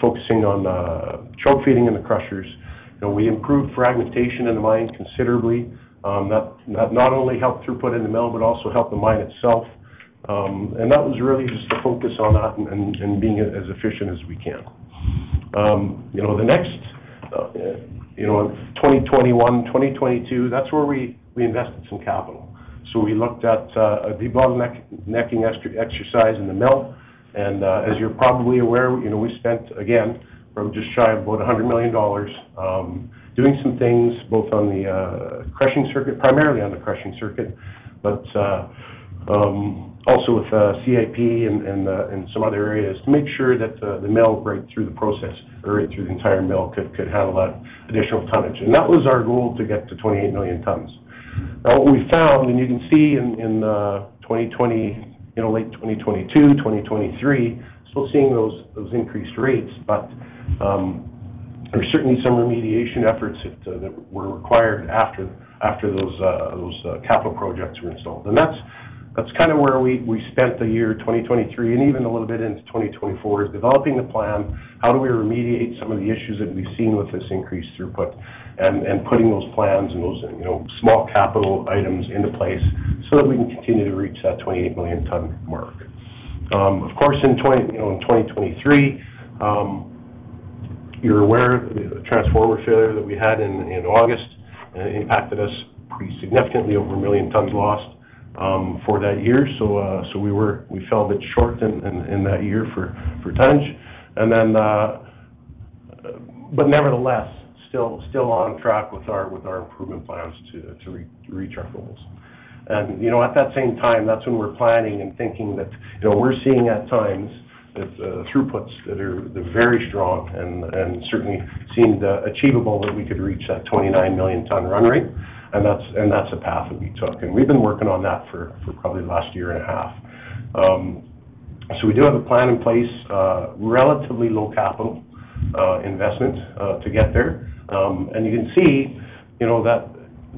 focusing on choke feeding in the crushers. We improved fragmentation in the mine considerably. That not only helped throughput in the mill, but also helped the mine itself. And that was really just to focus on that and being as efficient as we can. The next 2021, 2022, that's where we invested some capital. So we looked at a deep bottlenecking exercise in the mill. And as you're probably aware, we spent, again, from just shy of about $100 million doing some things both on the crushing circuit, primarily on the crushing circuit, but also with CIP and some other areas to make sure that the mill, right through the process, right through the entire mill, could handle that additional tonnage. That was our goal to get to 28 million tons. Now, what we found, and you can see in late 2022, 2023, still seeing those increased rates, but there's certainly some remediation efforts that were required after those capital projects were installed. That's kind of where we spent the year 2023 and even a little bit into 2024 is developing the plan, how do we remediate some of the issues that we've seen with this increased throughput and putting those plans and those small capital items into place so that we can continue to reach that 28 million ton mark. Of course, in 2023, you're aware of the transformer failure that we had in August and it impacted us pretty significantly over a million tons lost for that year. We fell a bit short in that year for tonnage. But nevertheless, still on track with our improvement plans to reach our goals. And at that same time, that's when we're planning and thinking that we're seeing at times throughputs that are very strong and certainly seemed achievable that we could reach that 29 million ton run rate. And that's the path that we took. And we've been working on that for probably the last year and a half. So we do have a plan in place, relatively low capital investment to get there. And you can see that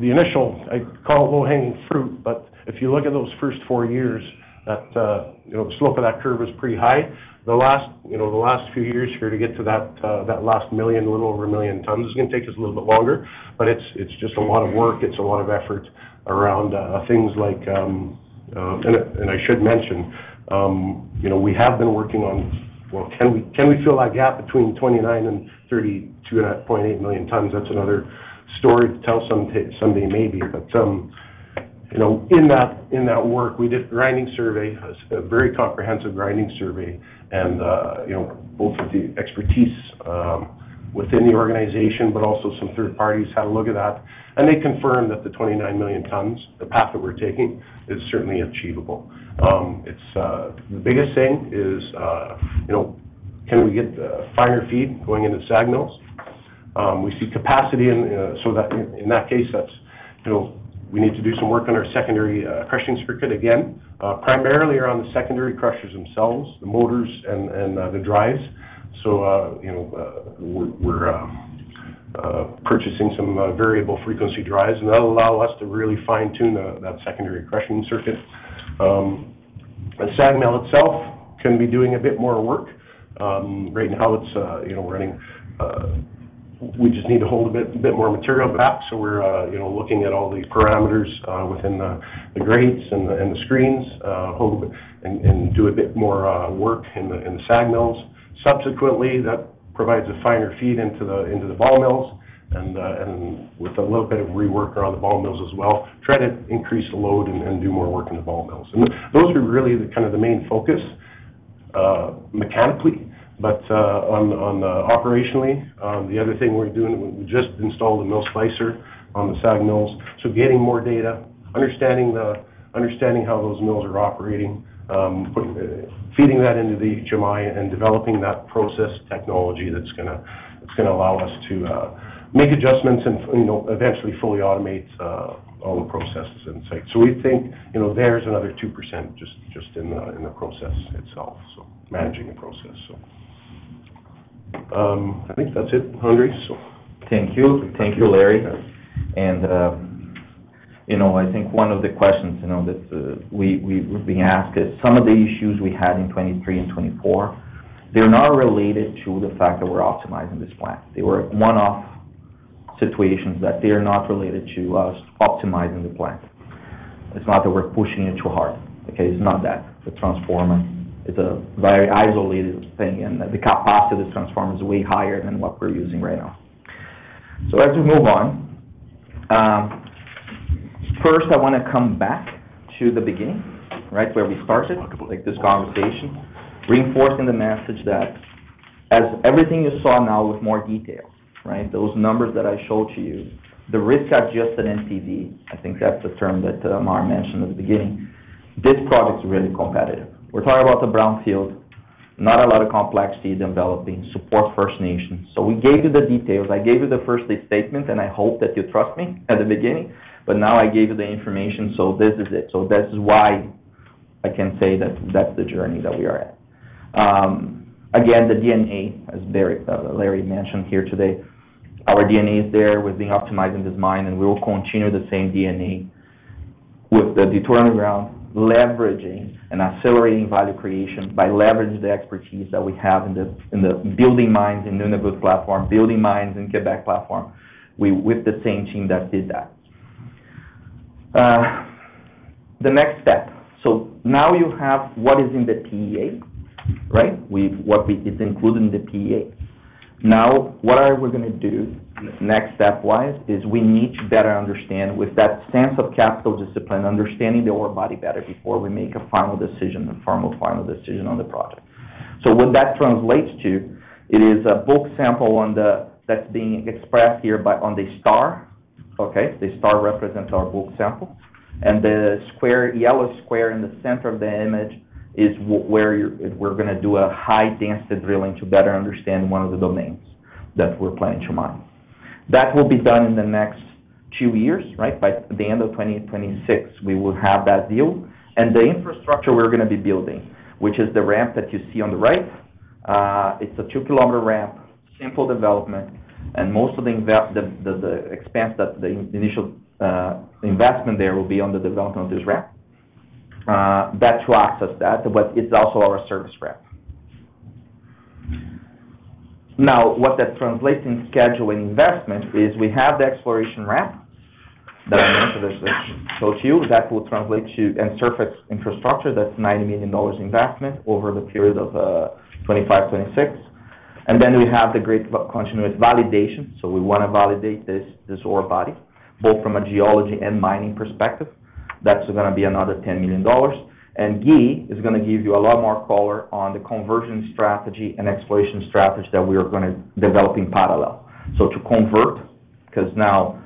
the initial, I call it low-hanging fruit, but if you look at those first four years, the slope of that curve is pretty high. The last few years here to get to that last million, a little over a million tons is going to take us a little bit longer. But it's just a lot of work. It's a lot of effort around things like, and I should mention, we have been working on, well, can we fill that gap between 29 and 32.8 million tons? That's another story to tell someday, maybe. But in that work, we did a grinding survey, a very comprehensive grinding survey, and both with the expertise within the organization, but also some third parties had a look at that. And they confirmed that the 29 million tons, the path that we're taking, is certainly achievable. The biggest thing is, can we get finer feed going into SAG mills? We see capacity. So in that case, we need to do some work on our secondary crushing circuit again, primarily around the secondary crushers themselves, the motors, and the drives. So we're purchasing some variable frequency drives, and that'll allow us to really fine-tune that secondary crushing circuit. The SAG mill itself can be doing a bit more work. Right now, it's running; we just need to hold a bit more material. So we're looking at all the parameters within the grates and the screens, and do a bit more work in the SAG mills. Subsequently, that provides a finer feed into the ball mills. And with a little bit of rework around the ball mills as well, try to increase the load and do more work in the ball mills. And those are really kind of the main focus mechanically. But operationally, the other thing we're doing, we just installed a MillSlicer on the SAG mills. So getting more data, understanding how those mills are operating, feeding that into the HMI, and developing that process technology that's going to allow us to make adjustments and eventually fully automate all the processes onsite. So we think there's another 2% just in the process itself, so managing the process. So I think that's it, Andre. Thank you. Thank you, Larry. I think one of the questions that we've been asked is some of the issues we had in 2023 and 2024, they're not related to the fact that we're optimizing this plant. They were one-off situations that they're not related to us optimizing the plant. It's not that we're pushing it too hard. Okay? It's not that. The transformer is a very isolated thing, and the capacity of the transformer is way higher than what we're using right now. So as we move on, first, I want to come back to the beginning, right, where we started this conversation, reinforcing the message that everything you saw now with more detail, right, those numbers that I showed to you, the risk-adjusted NPV, I think that's the term that Ammar mentioned at the beginning, this project is really competitive. We're talking about the brownfield, not a lot of complexity developing, support First Nation. So we gave you the details. I gave you the first statement, and I hope that you trust me at the beginning. But now I gave you the information. So this is it. So this is why I can say that that's the journey that we are at. Again, the DNA, as Larry mentioned here today, our DNA is there. We've been optimizing this mine, and we will continue the same DNA with the Detour Underground, leveraging and accelerating value creation by leveraging the expertise that we have in the building mines in Nunavut platform, building mines in Quebec platform with the same team that did that. The next step. So now you have what is in the PEA, right? It's included in the PEA. Now, what are we going to do next step-wise is we need to better understand with that sense of capital discipline, understanding the ore body better before we make a final decision, a formal final decision on the project. What that translates to is a bulk sample that's being expressed here on the star. Okay? The star represents our bulk sample. The yellow square in the center of the image is where we're going to do a high-density drilling to better understand one of the domains that we're planning to mine. That will be done in the next two years, right? By the end of 2026, we will have that deal. The infrastructure we're going to be building, which is the ramp that you see on the right, it's a two-kilometer ramp, simple development. Most of the expense, the initial investment there will be on the development of this ramp to access that, but it's also our service ramp. Now, what that translates in schedule and investment is we have the exploration ramp that I mentioned that I showed you that will translate to and surface infrastructure. That's a $90 million investment over the period of 2025, 2026. And then we have the grade control validation. So we want to validate this ore body, both from a geology and mining perspective. That's going to be another $10 million. And Guy is going to give you a lot more color on the conversion strategy and exploration strategy that we are going to develop in parallel. So to convert, because now,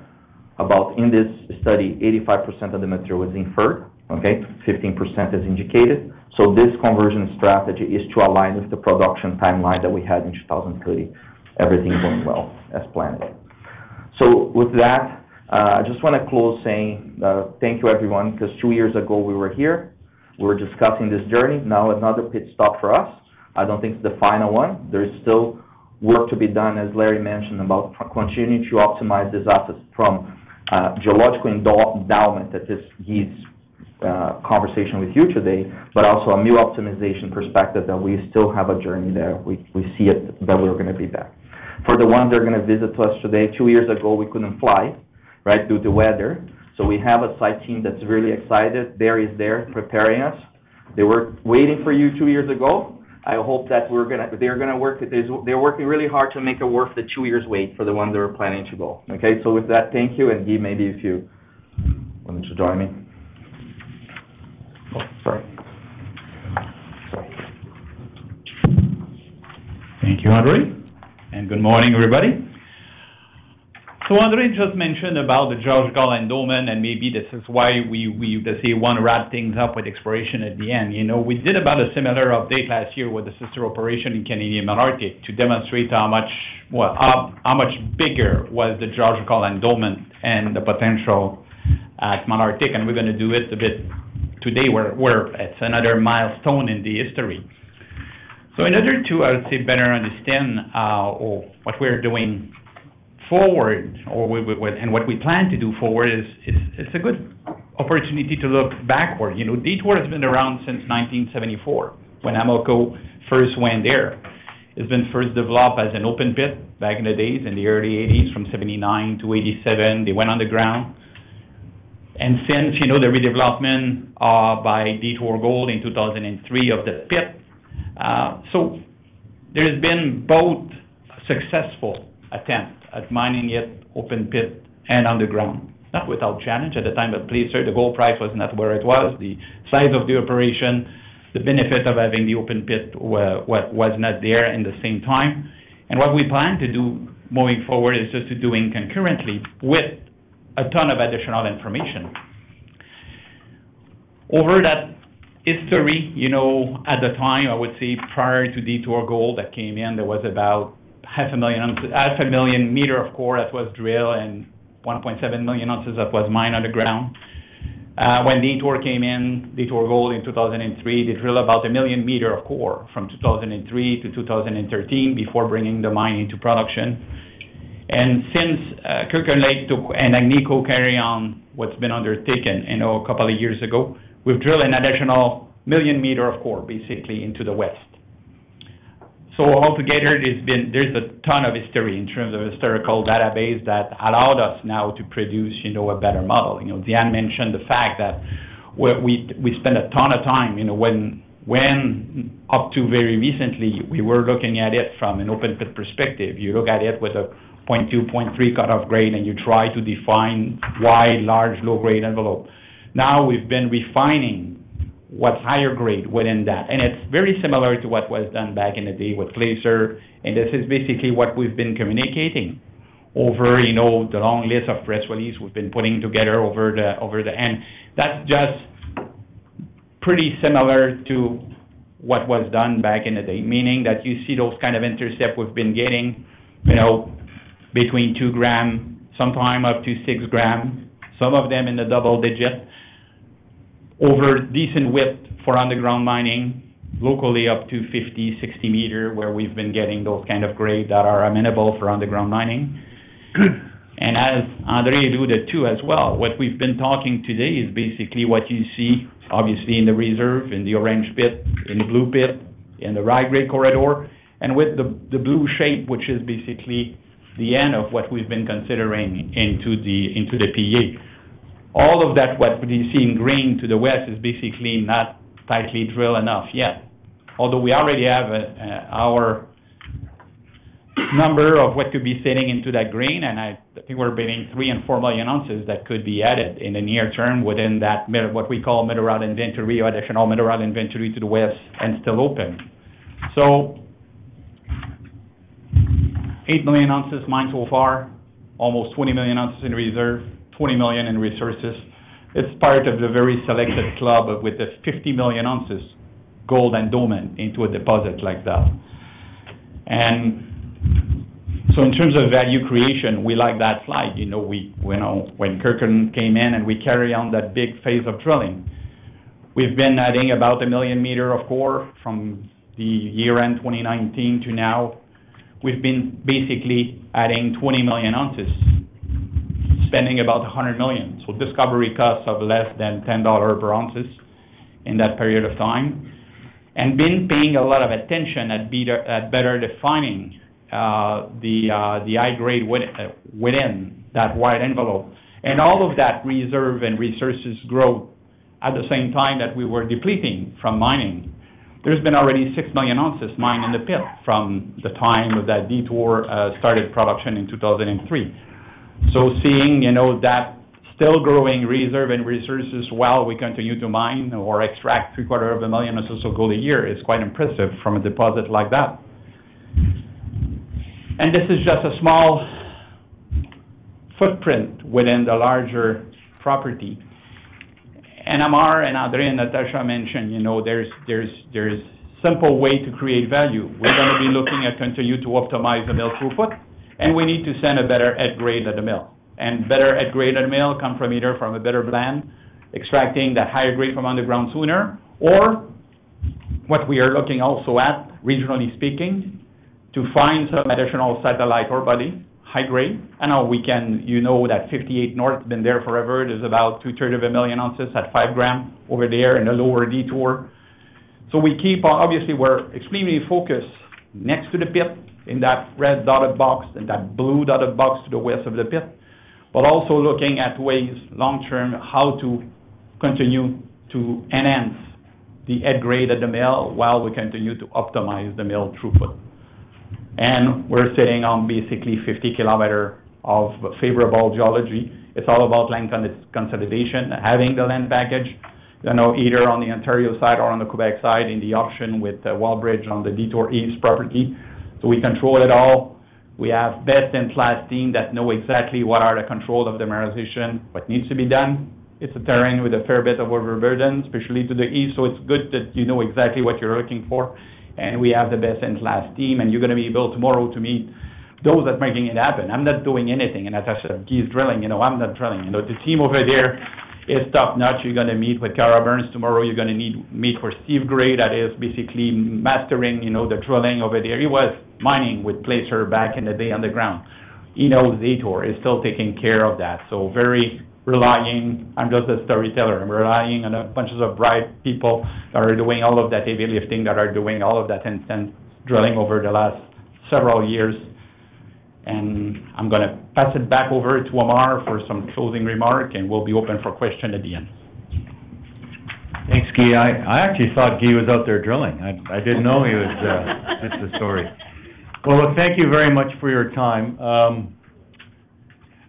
about in this study, 85% of the material is inferred. Okay? 15% is indicated. So this conversion strategy is to align with the production timeline that we had in 2030, everything going well as planned. So with that, I just want to close saying thank you, everyone, because two years ago, we were here. We were discussing this journey. Now, another pit stop for us. I don't think it's the final one. There's still work to be done, as Larry mentioned, about continuing to optimize this asset from geological endowment, that's GG's conversation with you today, but also a new optimization perspective that we still have a journey there. We see that we're going to be back. For the ones that are going to visit us today, two years ago, we couldn't fly, right, due to weather. So we have a site team that's really excited. Barry's there preparing us. They were waiting for you two years ago. I hope that they're going to work. They're working really hard to make it worth the two years wait for the ones that are planning to go. Okay? So with that, thank you. And GG, maybe if you wanted to join me. Oh, sorry. Sorry. Thank you, Andre. Good morning, everybody. Andre just mentioned about the geological endowment, and maybe this is why we say we want to wrap things up with exploration at the end. We did about a similar update last year with the sister operation in Canadian Malartic to demonstrate how much bigger was the geological endowment and the potential at Malartic. We're going to do it a bit today. We're at another milestone in the history. In order to, I would say, better understand what we're doing forward and what we plan to do forward, it's a good opportunity to look backward. Detour has been around since 1974 when Amoco first went there. It's been first developed as an open pit back in the days, in the early 1980s, from 1979 to 1987. They went underground. Since the redevelopment by Detour Gold in 2003 of the pit, so there has been both a successful attempt at mining it open pit and underground, not without challenge at the time, but please hear, the gold price was not where it was. The size of the operation, the benefit of having the open pit was not there in the same time. And what we plan to do moving forward is just to do it concurrently with a ton of additional information. Over that history, at the time, I would say prior to Detour Gold that came in, there was about 500,000 meters of core that was drilled and 1.7 million ounces that was mined underground. When Detour came in, Detour Gold in 2003, they drilled about 1 million meters of core from 2003 to 2013 before bringing the mine into production. And since Kirkland Lake and Agnico carry on what's been undertaken a couple of years ago, we've drilled an additional 1 million meters of core, basically, into the west. So altogether, there's a ton of history in terms of historical database that allowed us now to produce a better model. Andre mentioned the fact that we spend a ton of time when, up to very recently, we were looking at it from an open pit perspective. You look at it with a 0.2, 0.3 cut-off grade, and you try to define why large low-grade envelope. Now, we've been refining what's higher grade within that. And it's very similar to what was done back in the day with Placer. And this is basically what we've been communicating over the long list of press releases we've been putting together over the end. That's just pretty similar to what was done back in the day, meaning that you see those kind of intercepts we've been getting between two grams, sometimes up to six grams, some of them in the double digits, over decent width for underground mining, locally up to 50-60 meters, where we've been getting those kind of grades that are amenable for underground mining. And as Andre alluded to as well, what we've been talking about today is basically what you see, obviously, in the reserve, in the orange pit, in the blue pit, in the high-grade corridor, and with the blue shape, which is basically the end of what we've been considering into the PEA. All of that, what you see in green to the west, is basically not tightly drilled enough yet. Although we already have our number of what could be sitting into that green, and I think we're adding 3 and 4 million ounces that could be added in the near term within that what we call mineral inventory, additional mineral inventory to the west and still open. So 8 million ounces mined so far, almost 20 million ounces in reserve, 20 million in resources. It's part of the very select club with the 50 million ounces gold and developed into a deposit like that. And so in terms of value creation, we like that slide. When Kirkland came in and we carried on that big phase of drilling, we've been adding about 1 million meters of core from year-end 2019 to now. We've been basically adding 20 million ounces, spending about $100 million. So discovery costs of less than $10 per ounce in that period of time. have] been paying a lot of attention at better defining the high grade within that wide envelope. All of that reserve and resources grow at the same time that we were depleting from mining. There's been already 6 million ounces mined in the pit from the time that Detour started production in 2003. So seeing that still growing reserve and resources while we continue to mine or extract 750,000 ounces of gold a year is quite impressive from a deposit like that. This is just a small footprint within the larger property. Ammar and Andre and Natasha mentioned there's a simple way to create value. We're going to be looking at continuing to optimize the mill throughput, and we need to send a better head grade at the mill. Better head grade at the mill comes from either from a better plan, extracting the higher grade from underground sooner, or what we are looking also at, regionally speaking, to find some additional satellite ore body, high grade. I know that Zone 58 North has been there forever. There's about two-thirds of a million ounces at five grams over there in the Lower Detour. So we keep, obviously, we're extremely focused next to the pit in that red dotted box and that blue dotted box to the west of the pit, but also looking at ways long-term how to continue to enhance the head grade at the mill while we continue to optimize the mill throughput. And we're sitting on basically 50 km of favorable geology. It's all about land consolidation, having the land package, either on the Ontario side or on the Quebec side in the option with the Wallbridge on the Detour East property. We control it all. We have best-in-class team that know exactly what are the controls of the mineralization, what needs to be done. It's a terrain with a fair bit of overburden, especially to the east. It's good that you know exactly what you're looking for. We have the best-in-class team, and you're going to be able tomorrow to meet those that are making it happen. I'm not doing anything. As I said, Guy is drilling. I'm not drilling. The team over there is top-notch. You're going to meet with Kara Byrnes tomorrow. You're going to meet with Steve Gray that is basically mastering the drilling over there. He was mining with Placer back in the day underground. He knows Detour. He's still taking care of that. So very relying. I'm just a storyteller. I'm relying on a bunch of bright people that are doing all of that heavy lifting, that are doing all of that instant drilling over the last several years. And I'm going to pass it back over to Ammar for some closing remark, and we'll be open for questions at the end. Thanks, GG. I actually thought GG was out there drilling. I didn't know he was. It's a story. Well, thank you very much for your time.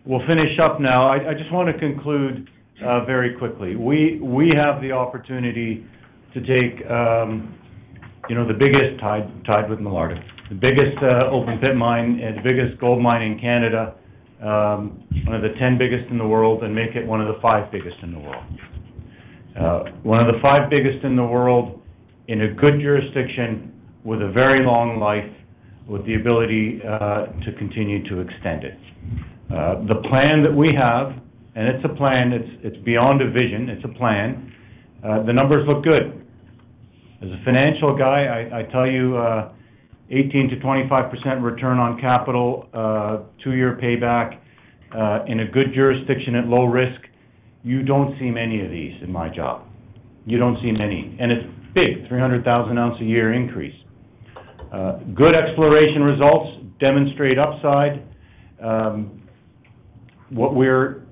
We'll finish up now. I just want to conclude very quickly. We have the opportunity to take the biggest tied with Malartic, the biggest open pit mine, the biggest gold mine in Canada, one of the 10 biggest in the world, and make it one of the five biggest in the world. One of the 5 biggest in the world in a good jurisdiction with a very long life, with the ability to continue to extend it. The plan that we have, and it's a plan. It's beyond a vision. It's a plan. The numbers look good. As a financial guy, I tell you 18% to 25% return on capital, two-year payback in a good jurisdiction at low risk. You don't see many of these in my job. You don't see many. And it's big, 300,000 ounce a year increase. Good exploration results demonstrate upside. What we're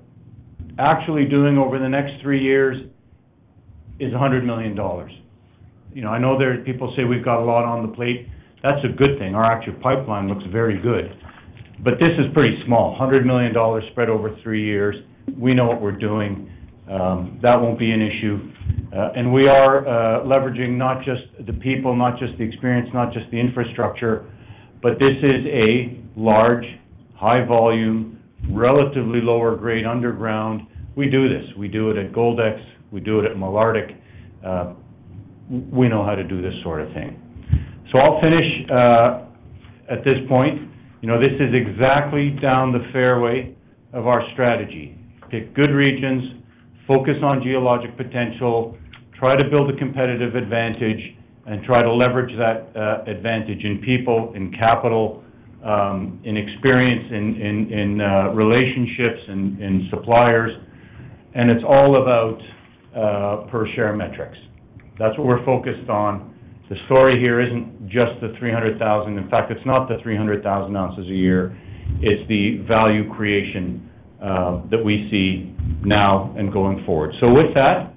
actually doing over the next three years is $100 million. I know there are people say we've got a lot on the plate. That's a good thing. Our actual pipeline looks very good. This is pretty small. $100 million spread over three years. We know what we're doing. That won't be an issue. We are leveraging not just the people, not just the experience, not just the infrastructure, but this is a large, high-volume, relatively lower-grade underground. We do this. We do it at Goldex. We do it at Meliadine. We know how to do this sort of thing. I'll finish at this point. This is exactly down the fairway of our strategy. Pick good regions, focus on geologic potential, try to build a competitive advantage, and try to leverage that advantage in people, in capital, in experience, in relationships, in suppliers. It's all about per-share metrics. That's what we're focused on. The story here isn't just the 300,000. In fact, it's not the 300,000 ounces a year. It's the value creation that we see now and going forward. So with that,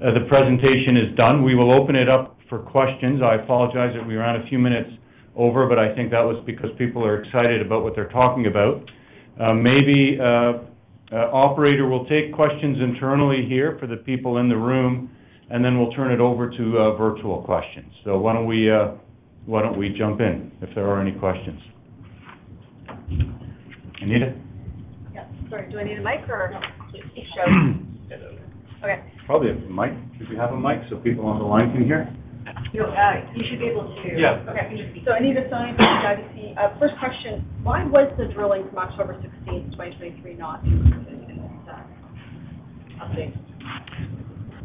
the presentation is done. We will open it up for questions. I apologize that we ran a few minutes over, but I think that was because people are excited about what they're talking about. Maybe Operator will take questions internally here for the people in the room, and then we'll turn it over to virtual questions. So why don't we jump in if there are any questions? Anita? Yeah. Sorry. Do I need a mic or? No. Okay. Probably a mic. If you have a mic so people on the line can hear. You should be able to. Yeah. Okay. So Anita Soni, CIBC. First question. Why was the drilling from October 16th, 2023, not included in this update?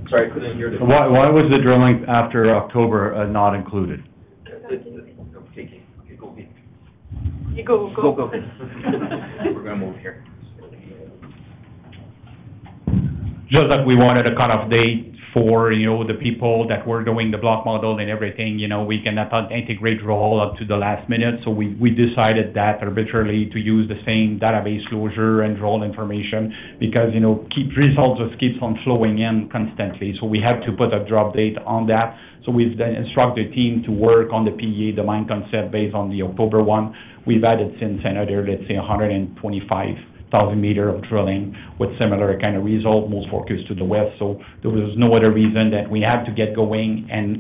Sorry, I couldn't hear the question. Why was the drilling after October not included? Okay. Okay. Go here. You go. Go ahead. Go ahead. We're going to move here. Just that we wanted a kind of date for the people that were doing the block model and everything. We cannot integrate roll up to the last minute. So we decided that arbitrarily to use the same database closure and roll information because key results just keep on flowing in constantly. So we had to put a drop date on that. So we've instructed the team to work on the PEA, the mine concept based on the October 1. We've added since another, let's say, 125,000 meters of drilling with similar kind of result, most focused to the west. So there was no other reason that we had to get going and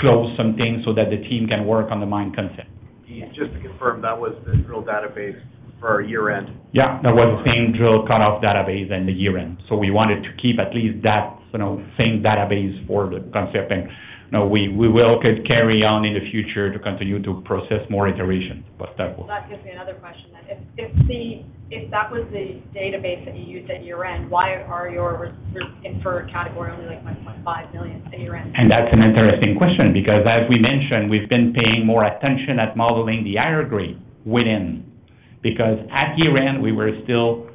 close some things so that the team can work on the mine concept. Just to confirm, that was the drill database for year-end? Yeah. That was the same drill cut-off database and the year-end. So we wanted to keep at least that same database for the concept. And we will carry on in the future to continue to process more iterations, but that will. That gives me another question. If that was the database that you used at year-end, why are your inferred category only like 1.5 million at year-end? That's an interesting question because, as we mentioned, we've been paying more attention at modeling the higher grade within because at year-end, we were still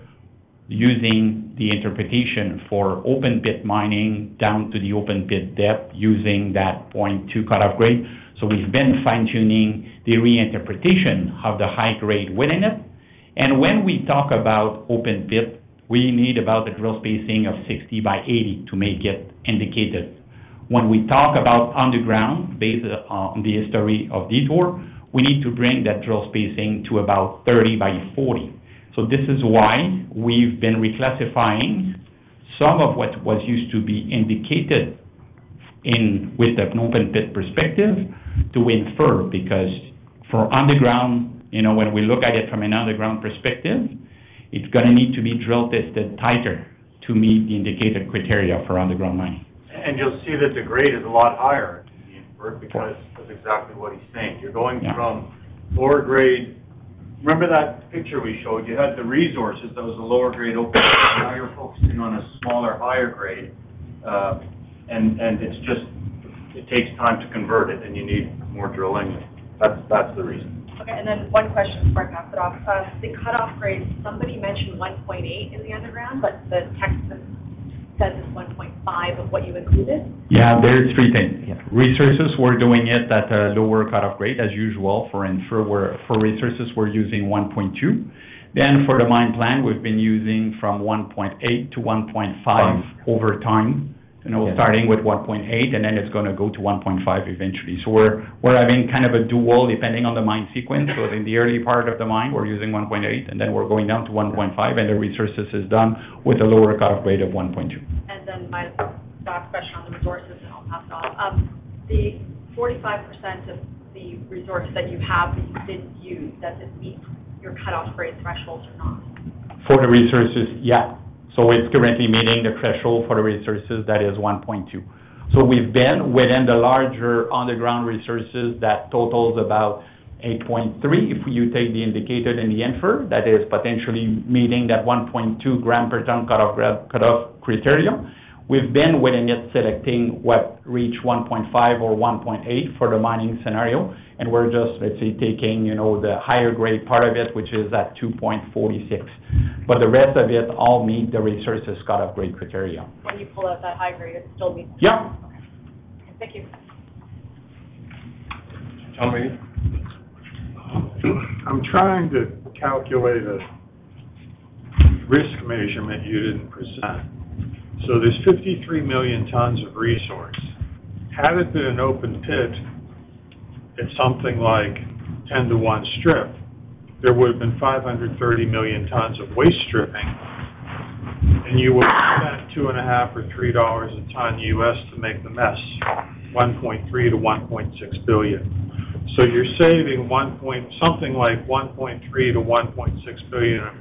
using the interpretation for open pit mining down to the open pit depth using that 0.2 cut-off grade. We've been fine-tuning the reinterpretation of the high grade within it. When we talk about open pit, we need about the drill spacing of 60 by 80 to make it indicated. When we talk about underground, based on the history of Detour, we need to bring that drill spacing to about 30 by 40. This is why we've been reclassifying some of what used to be indicated with an open pit perspective to inferred because for underground, when we look at it from an underground perspective, it's going to need to be drill tested tighter to meet the indicated criteria for underground mining. You'll see that the grade is a lot higher in the inferred because that's exactly what he's saying. You're going from lower grade. Remember that picture we showed? You had the resources, that was a lower grade open pit. Now you're focusing on a smaller, higher grade. And it takes time to convert it, and you need more drilling. That's the reason. Okay. One question before I pass it off. The cut-off grade, somebody mentioned 1.8 in the underground, but the text says it's 1.5 of what you included. Yeah. There's three things. Resources, we're doing it at a lower cut-off grade as usual. For resources, we're using 1.2. Then for the mine plan, we've been using from 1.8-1.5 over time, starting with 1.8, and then it's going to go to 1.5 eventually. So we're having kind of a dual depending on the mine sequence. So in the early part of the mine, we're using 1.8, and then we're going down to 1.5, and the resources is done with a lower cut-off grade of 1.2. Then my last question on the resources, and I'll pass it off. The 45% of the resources that you have that you didn't use, does it meet your cut-off grade thresholds or not? For the resources, yeah. So it's currently meeting the threshold for the resources that is 1.2. So we've been within the larger underground resources that totals about 8.3 if you take the indicated and the inferred. That is potentially meeting that 1.2 gram per ton cut-off criteria. We've been within it selecting what reach 1.5 or 1.8 for the mining scenario. And we're just, let's say, taking the higher grade part of it, which is at 2.46. But the rest of it all meets the resources cut-off grade criteria. When you pull out that high grade, it still meets the criteria? Yeah. Okay. Thank you. John, ready? I'm trying to calculate a risk measurement you didn't. So there's 53 million tons of resource. Had it been an open pit, it's something like 10-to-1 strip. There would have been 530 million tons of waste stripping. And you would spend $2.5 or $3 a ton US to make the mess, $1.3 billion to $1.6 billion. So you're saving something like $1.3 billion to $1.6 billion of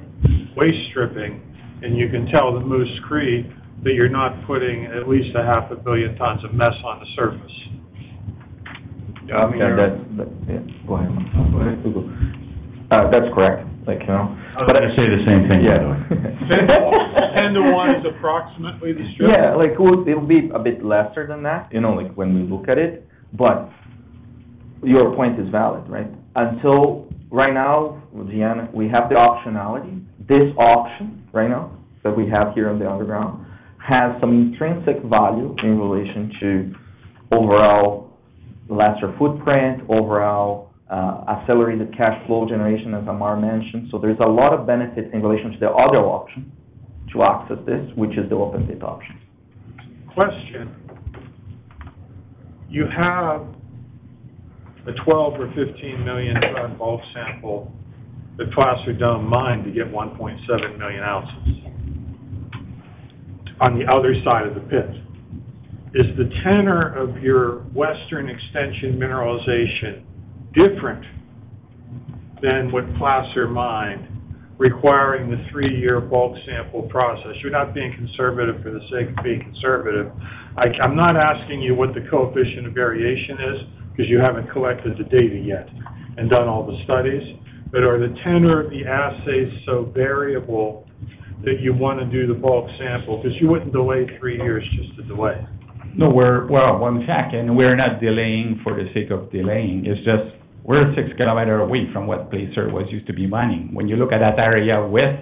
waste stripping, and you can tell the Moose Cree that you're not putting at least 500 million tons of mess on the surface. Yeah. I mean. Go ahead. Go ahead. That's correct. I'd say the same thing. Yeah. 10 to 1 is approximately the strip? Yeah. It'll be a bit lesser than that when we look at it. But your point is valid, right? Until right now, we have the optionality. This option right now that we have here in the underground has some intrinsic value in relation to overall lesser footprint, overall accelerated cash flow generation, as Ammar mentioned. So there's a lot of benefits in relation to the other option to access this, which is the open pit option. You have a 12- or 15-million-ton bulk sample that's Lower Detour mine to get 1.7 million ounces on the other side of the pit. Is the tenor of your western extension mineralization different than with Placer mine requiring the three-year bulk sample process? You're not being conservative for the sake of being conservative. I'm not asking you what the coefficient of variation is because you haven't collected the data yet and done all the studies. But are the tenor of the assays so variable that you want to do the bulk sample? Because you wouldn't delay three years just to delay. No. Well, one second. We're not delaying for the sake of delaying. It's just we're six kilometers away from what Placer was used to be mining. When you look at that area with,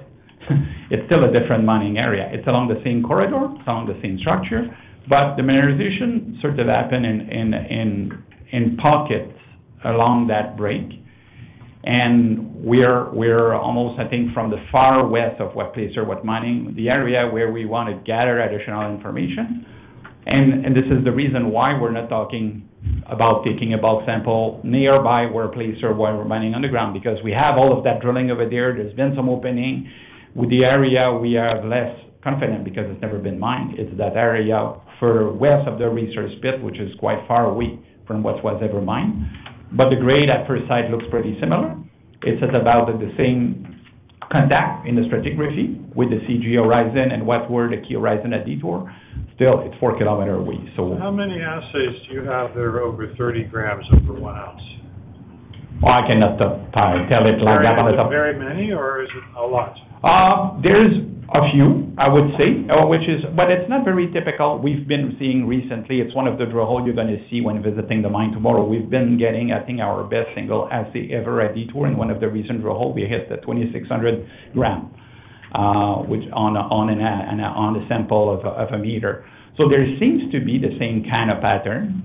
it's still a different mining area. It's along the same corridor. It's along the same structure. But the mineralization started to happen in pockets along that break. And we're almost, I think, from the far west of what Placer was mining, the area where we want to gather additional information. And this is the reason why we're not talking about taking a bulk sample nearby where Placer was mining underground because we have all of that drilling over there. There's been some opening with the area. We are less confident because it's never been mined. It's that area further west of the resource pit, which is quite far away from what was ever mined. But the grade at first sight looks pretty similar. It's about the same contact in the stratigraphy with the CH horizon and what were the key horizon at Detour. Still, it's four kilometers away. So. How many assays do you have that are over 30 grams over 1 ounce? Oh, I cannot tell it like that. Are there very many, or is it a lot? There's a few, I would say, which is, but it's not very typical we've been seeing recently. It's one of the drill holes you're going to see when visiting the mine tomorrow. We've been getting, I think, our best single assay ever at Detour. And one of the recent drill holes, we hit the 2,600 gram on a sample of a one-meter. So there seems to be the same kind of pattern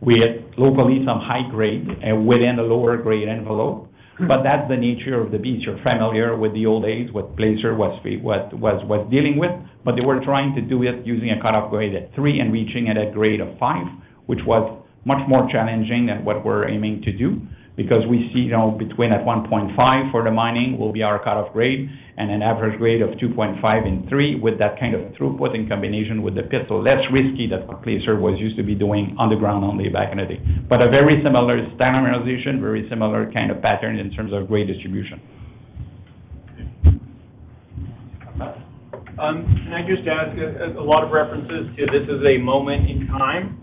with locally some high grade within a lower grade envelope. But that's the nature of the beast. You're familiar with the old days what Placer was dealing with. But they were trying to do it using a cut-off grade at three and reaching it at grade of five, which was much more challenging than what we're aiming to do because we see between at 1.5 for the mining will be our cut-off grade and an average grade of 2.5 in three with that kind of throughput in combination with the pit. So less risky than what Placer was used to be doing underground only back in the day. But a very similar standard mineralization, very similar kind of pattern in terms of grade distribution. Can I just ask? A lot of references to this is a moment in time.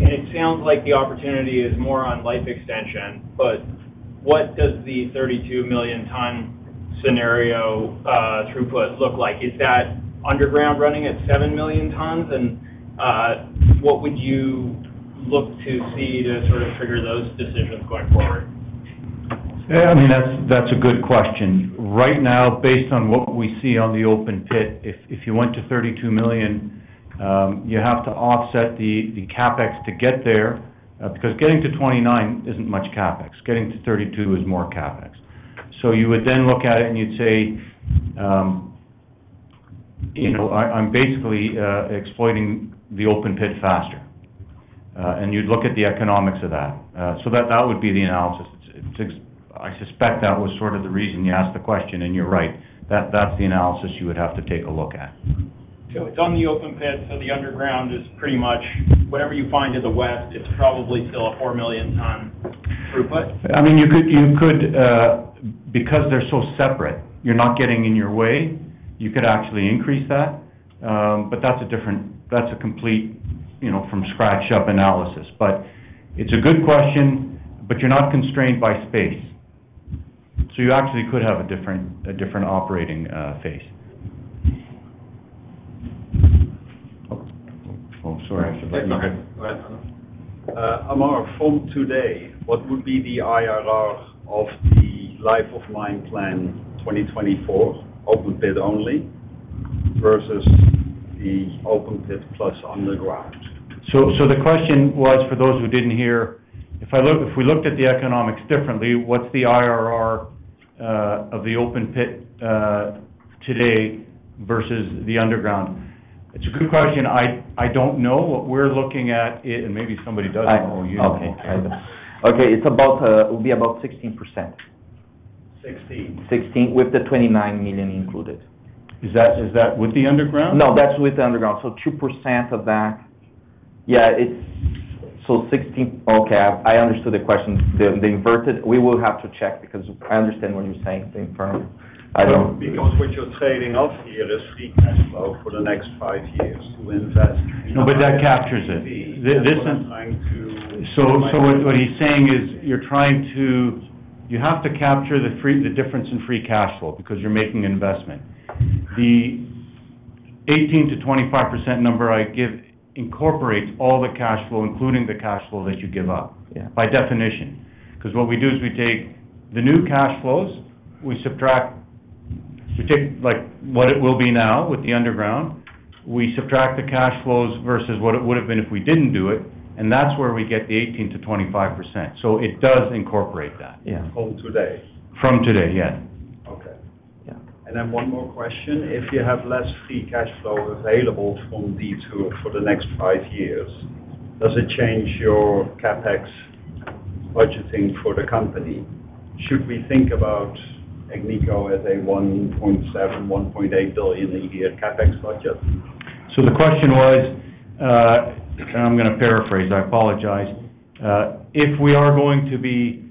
And it sounds like the opportunity is more on life extension. But what does the 32 million tons scenario throughput look like? Is that underground running at 7 million tons? And what would you look to see to sort of trigger those decisions going forward? Yeah. I mean, that's a good question. Right now, based on what we see on the open pit, if you went to 32 million, you have to offset the CapEx to get there because getting to 29 isn't much CapEx. Getting to 32 is more CapEx. So you would then look at it and you'd say, "I'm basically exploiting the open pit faster." And you'd look at the economics of that. So that would be the analysis. I suspect that was sort of the reason you asked the question, and you're right. That's the analysis you would have to take a look at. So it's on the open pit, so the underground is pretty much whatever you find to the west. It's probably still a 4 million ton throughput? I mean, you could, because they're so separate, you're not getting in your way. You could actually increase that. But that's a complete from scratch-up analysis. But it's a good question, but you're not constrained by space. So you actually could have a different operating phase. Oh, sorry. Go ahead. Ammar, from today, what would be the IRR of the life of mine plan 2024, open pit only versus the open pit plus underground? So the question was, for those who didn't hear, if we looked at the economics differently, what's the IRR of the open pit today versus the underground? It's a good question. I don't know what we're looking at, and maybe somebody does know. Okay. Okay. It would be about 16%. 16. 16 with the $29 million included. Is that with the underground? No, that's with the underground. So 2% of that. Yeah. So 16. Okay. I understood the question. We will have to check because I understand what you're saying. Because what you're trading off here is free cash flow for the next five years to invest. No, but that captures it. This is. What he's saying is you have to capture the difference in free cash flow because you're making an investment. The 18% to 25% number I give incorporates all the cash flow, including the cash flow that you give up by definition. Because what we do is we take the new cash flows, we subtract what it will be now with the underground, we subtract the cash flows versus what it would have been if we didn't do it. And that's where we get the 18% to 25%. So it does incorporate that. From today. From today, yeah. Okay. And then one more question. If you have less free cash flow available from Detour for the next five years, does it change your CapEx budgeting for the company? Should we think about Agnico as a $1.7 billion to $1.8 billion a year CapEx budget? So the question was, and I'm going to paraphrase. I apologize. If we are going to be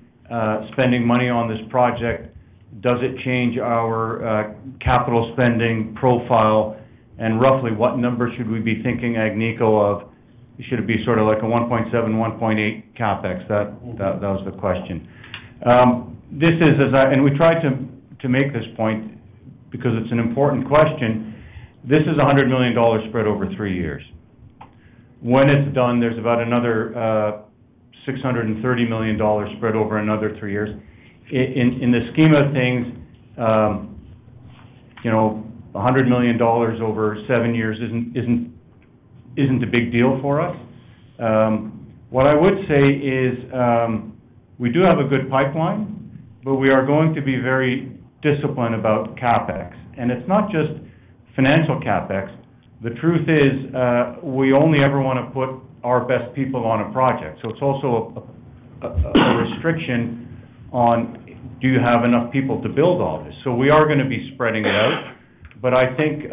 spending money on this project, does it change our capital spending profile? Roughly, what number should we be thinking Agnico of? Should it be sort of like a 1.7, 1.8 CapEx? That was the question. We tried to make this point because it's an important question. This is a $100 million spread over three years. When it's done, there's about another $630 million spread over another three years. In the scheme of things, $100 million over seven years isn't a big deal for us. What I would say is we do have a good pipeline, but we are going to be very disciplined about CapEx. It's not just financial CapEx. The truth is we only ever want to put our best people on a project. So it's also a restriction on, do you have enough people to build all this? So we are going to be spreading it out. But I think a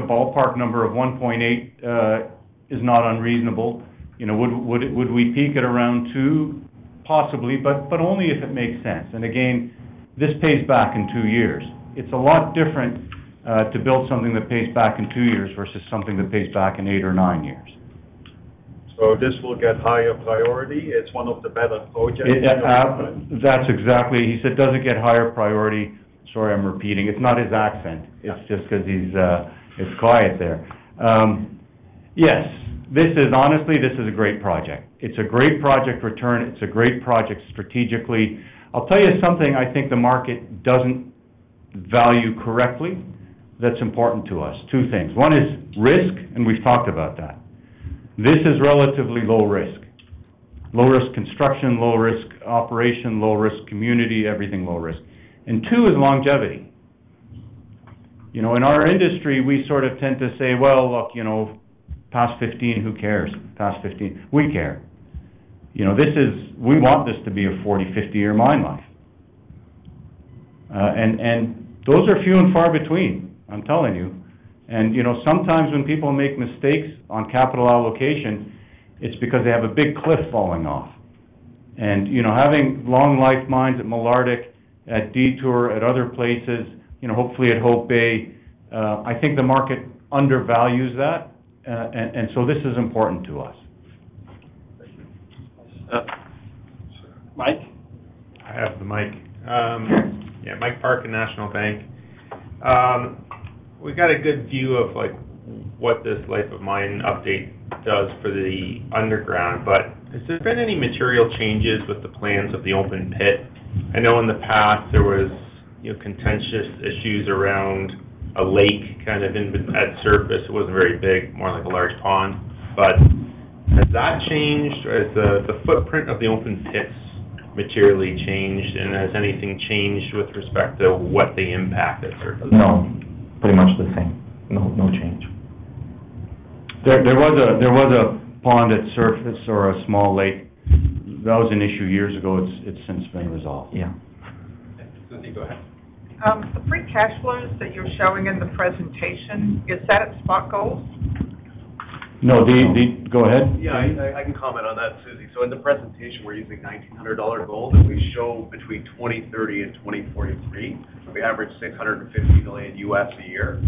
ballpark number of 1.8 is not unreasonable. Would we peak at around two? Possibly, but only if it makes sense. And again, this pays back in two years. It's a lot different to build something that pays back in two years versus something that pays back in 8 or nine years. This will get higher priority? It's one of the better projects? That's exactly he said doesn't get higher priority. Sorry, I'm repeating. It's not his accent. It's just because he's quiet there. Yes. Honestly, this is a great project. It's a great project return. It's a great project strategically. I'll tell you something I think the market doesn't value correctly that's important to us. Two things. One is risk, and we've talked about that. This is relatively low risk. Low risk construction, low risk operation, low risk community, everything low risk. And two is longevity. In our industry, we sort of tend to say, "Well, look, past 15, who cares? Past 15, we care." We want this to be a 40, 50-year mine life. And those are few and far between, I'm telling you. And sometimes when people make mistakes on capital allocation, it's because they have a big cliff falling off. Having long life mines at Meliadine, at Detour, at other places, hopefully at Hope Bay, I think the market undervalues that. So this is important to us. Thank you. Mike? I have the mic. Yeah. Mike Parkin, National Bank Financial. We've got a good view of what this life of mine update does for the underground. But has there been any material changes with the plans of the open pit? I know in the past there were contentious issues around a lake kind of at surface. It wasn't very big, more like a large pond. But has that changed? Has the footprint of the open pits materially changed? And has anything changed with respect to what the impact at surface? No. Pretty much the same. No change. There was a pond at surface or a small lake. That was an issue years ago. It's since been resolved. Yeah. Susie, go ahead. The free cash flows that you're showing in the presentation, is that at spot gold? No. Go ahead. Yeah. I can comment on that, Susie. So in the presentation, we're using $1,900 gold that we show between 2030 and 2043. We average $650 million a year.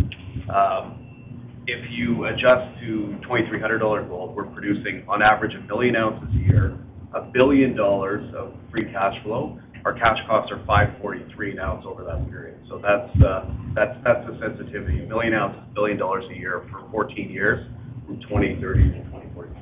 If you adjust to $2,300 gold, we're producing on average 1 million ounces a year, $1 billion of free cash flow. Our cash costs are $543 now over that period. So that's the sensitivity. 1 million ounces, $1 billion a year for 14 years from 2030 to 2043.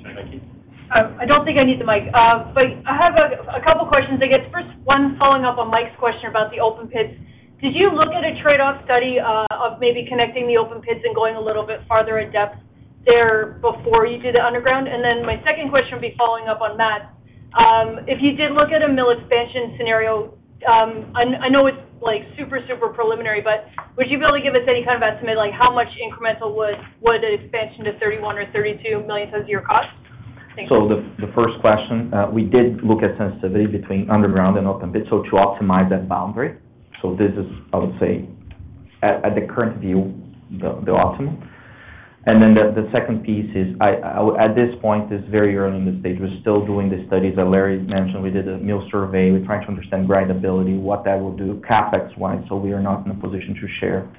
Thank you. I don't think I need the mic. But I have a couple of questions. I guess first, one following up on Mike's question about the open pits. Did you look at a trade-off study of maybe connecting the open pits and going a little bit farther in depth there before you did the underground? And then my second question would be following up on Matt. If you did look at a mill expansion scenario, I know it's super, super preliminary, but would you be able to give us any kind of estimate like how much incremental would an expansion to 31 or 32 million tons a year cost? Thank you. The first question, we did look at sensitivity between underground and open pit to optimize that boundary. This is, I would say, at the current view, the optimum. The second piece is, at this point, it's very early in the stage. We're still doing the studies. As Larry mentioned, we did a mill survey. We're trying to understand grindability, what that will do CapEx-wise. We are not in a position to share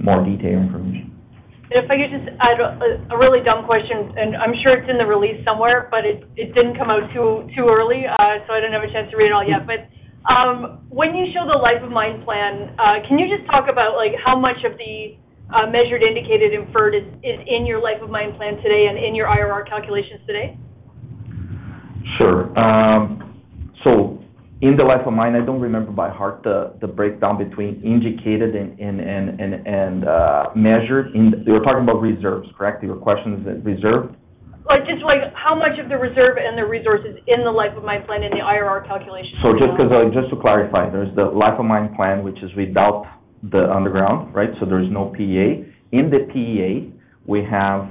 more detailed information. If I could just add a really dumb question, and I'm sure it's in the release somewhere, but it didn't come out too early, so I didn't have a chance to read it all yet. But when you show the life of mine plan, can you just talk about how much of the measured, indicated, inferred is in your life of mine plan today and in your IRR calculations today? Sure. So in the life of mine, I don't remember by heart the breakdown between indicated and measured. You're talking about reserves, correct? Your question is reserves? Just how much of the reserve and the resources in the life of mine plan and the IRR calculation? So just to clarify, there's the life of mine plan, which is without the underground, right? So there's no PEA. In the PEA, we have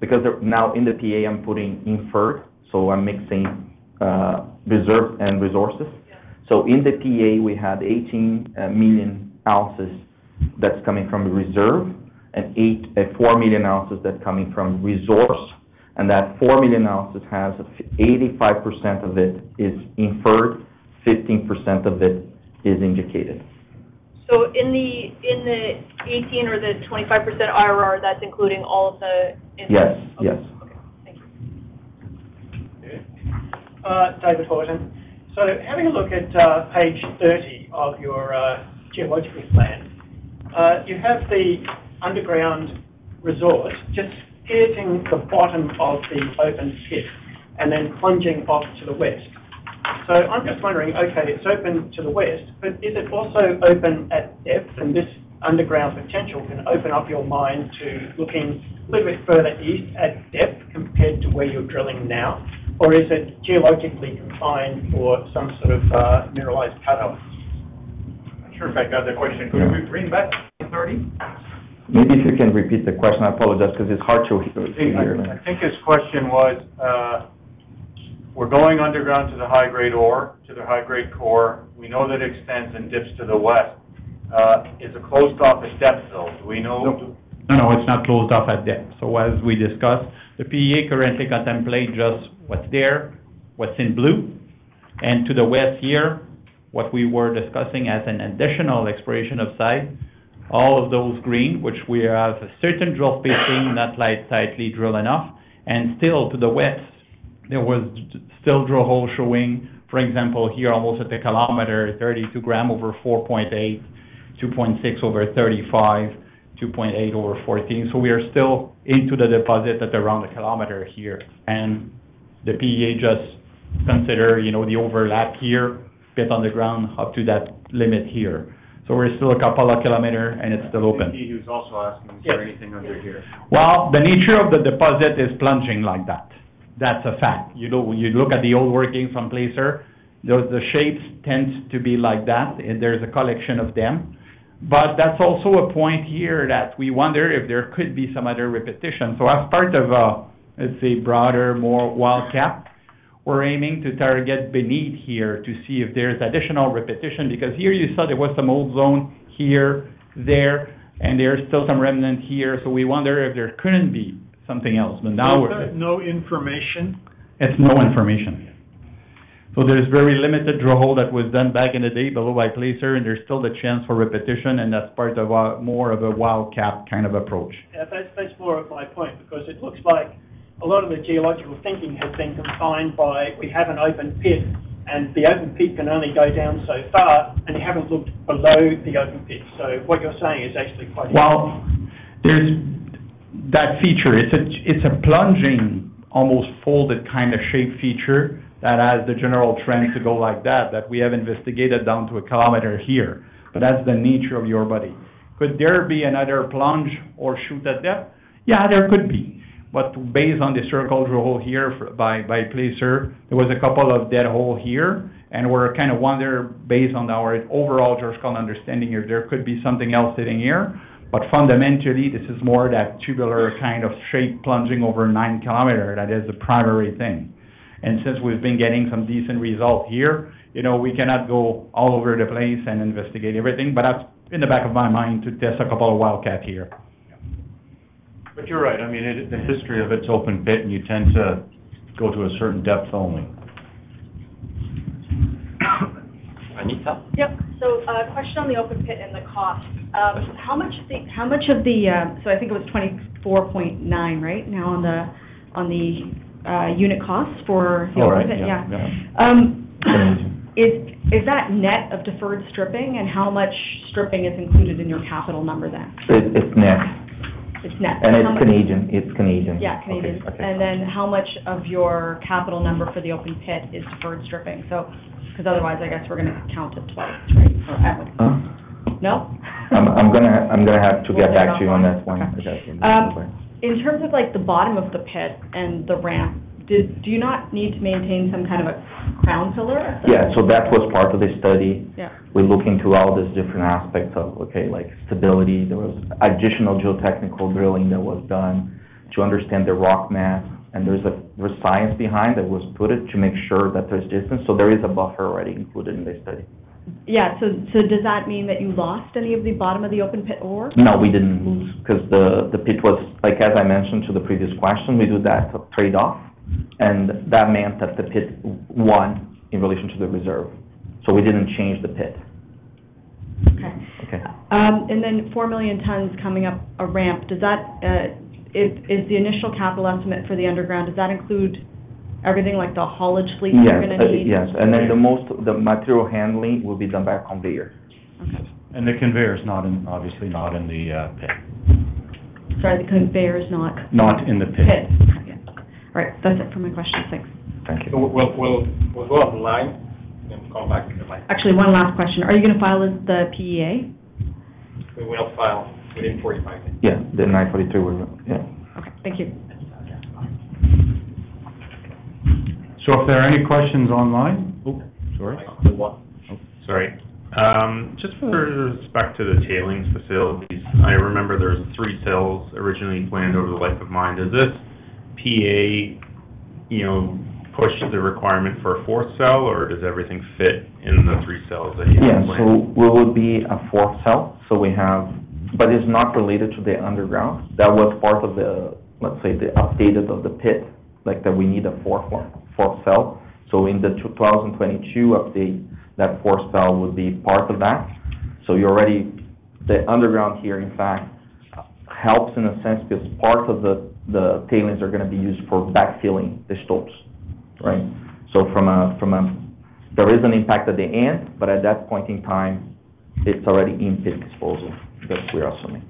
because now in the PEA, I'm putting inferred, so I'm mixing reserve and resources. So in the PEA, we had 18 million ounces that's coming from reserve and 4 million ounces that's coming from resource. And that 4 million ounces has 85% of it is inferred, 15% of it is indicated. In the 18 or the 25% IRR, that's including all of the inferred? Yes. Yes. Okay. Thank you. Good. David Haughton. So having a look at page 30 of your geological plan, you have the underground resource just hitting the bottom of the open pit and then plunging off to the west. So I'm just wondering, okay, it's open to the west, but is it also open at depth? And this underground potential can open up your mind to looking a little bit further east at depth compared to where you're drilling now, or is it geologically confined for some sort of mineralized cut-out? I'm not sure if I got the question. Could we bring back? 30? If you can repeat the question. I apologize because it's hard to hear. I think his question was, we're going underground to the high-grade ore, to the high-grade core. We know that it extends and dips to the west. Is it closed off at depth, though? Do we know? No, no. It's not closed off at depth. So as we discussed, the PEA currently contemplates just what's there, what's in blue. And to the west here, what we were discussing as an additional exploration upside, all of those green, which we have a certain drill spacing, not lightly drilled enough. And still to the west, there was still drill holes showing, for example, here almost at the kilometer, 32 gram over 4.8, 2.6 over 35, 2.8 over 14. So we are still into the deposit at around a kilometer here. And the PEA just considers the open pit underground up to that limit here. So we're still a couple of kilometers, and it's still open. The PEA is also asking, is there anything under here? Well, the nature of the deposit is plunging like that. That's a fact. When you look at the old workings from Placer, the shapes tend to be like that, and there's a collection of them. But that's also a point here that we wonder if there could be some other repetition. So as part of, let's say, broader, more wildcat, we're aiming to target beneath here to see if there's additional repetition. Because here you saw there was some old zone here, there, and there's still some remnant here. So we wonder if there couldn't be something else. But now we're there. Is that no information? It's no information. So there's very limited drill hole that was done back in the day below by Placer, and there's still the chance for repetition, and that's part of more of a wildcat kind of approach. That's more of my point because it looks like a lot of the geological thinking has been confined by, we have an open pit, and the open pit can only go down so far, and you haven't looked below the open pit. So what you're saying is actually quite a lot. Well, there's that feature. It's a plunging, almost folded kind of shape feature that has the general trend to go like that, that we have investigated down to a kilometer here. But that's the nature of the ore body. Could there be another plunge or shoot at depth? Yeah, there could be. But based on the core drill hole here by Placer, there was a couple of dead holes here. And we're kind of wondering based on our overall geological understanding if there could be something else sitting here. But fundamentally, this is more that tubular kind of shape plunging over nine kilometers. That is the primary thing. And since we've been getting some decent results here, we cannot go all over the place and investigate everything. But that's in the back of my mind to test a couple of wildcats here. You're right. I mean, the history of it's open pit, and you tend to go to a certain depth only. Anita? Yep. So a question on the open pit and the cost. How much of the—so I think it was 24.9, right? Now on the unit cost for the open pit? Yeah. Yeah. Is that net of deferred stripping? And how much stripping is included in your capital number then? It's net. It's net. It's Canadian. It's Canadian. Yeah, Canadian. Then how much of your capital number for the open pit is deferred stripping? Because otherwise, I guess we're going to count it twice, right? Or I would—no? I'm going to have to get back to you on that one. In terms of the bottom of the pit and the ramp, do you not need to maintain some kind of a crown pillar? Yeah. So that was part of the study. We're looking through all these different aspects of, okay, stability. There was additional geotechnical drilling that was done to understand the rock mass. And there's a science behind that was put in to make sure that there's distance. So there is a buffer already included in the study. Yeah. So does that mean that you lost any of the bottom of the open pit ore? No, we didn't lose because the pit was—like I mentioned to the previous question, we do that trade-off. And that meant that the pit won in relation to the reserve. So we didn't change the pit. Okay. And then 4 million tons coming up a ramp, is the initial capital estimate for the underground. Does that include everything like the haulage fleet you're going to need? Yes. Yes. And then the material handling will be done back on the earth. Okay. The conveyor is obviously not in the pit. Sorry, the conveyor is not. Not in the pit. The pit. Okay. All right. That's it for my questions. Thanks. Thank you. We'll go online. We can come back in the mic. Actually, one last question. Are you going to file with the PEA? We will file within 45 days. Yeah. The 943, yeah. Okay. Thank you. If there are any questions online, oh, sorry. Sorry. Just with respect to the tailings facilities, I remember there were three cells originally planned over the life of mine. Does this PEA push the requirement for a fourth cell, or does everything fit in the three cells that you had planned? Yes. So we will be a fourth cell. But it's not related to the underground. That was part of the, let's say, the updated of the pit that we need a fourth cell. So in the 2022 update, that fourth cell would be part of that. So the underground here, in fact, helps in a sense because part of the tailings are going to be used for backfilling the stoves, right? So there is an impact at the end, but at that point in time, it's already in pit disposal, that's what we're assuming.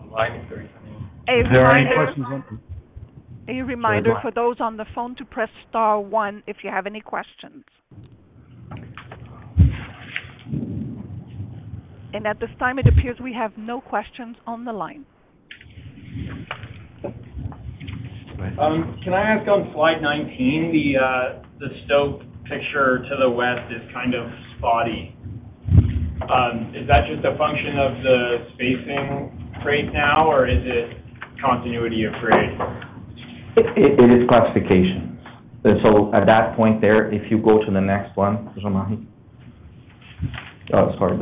Online, if there's any— Any questions? Any reminder for those on the phone to press star one if you have any questions. At this time, it appears we have no questions on the line. Can I ask on slide 19, the stope picture to the west is kind of spotty. Is that just a function of the spacing right now, or is it continuity of grade? It is classification. So at that point there, if you go to the next one, sorry,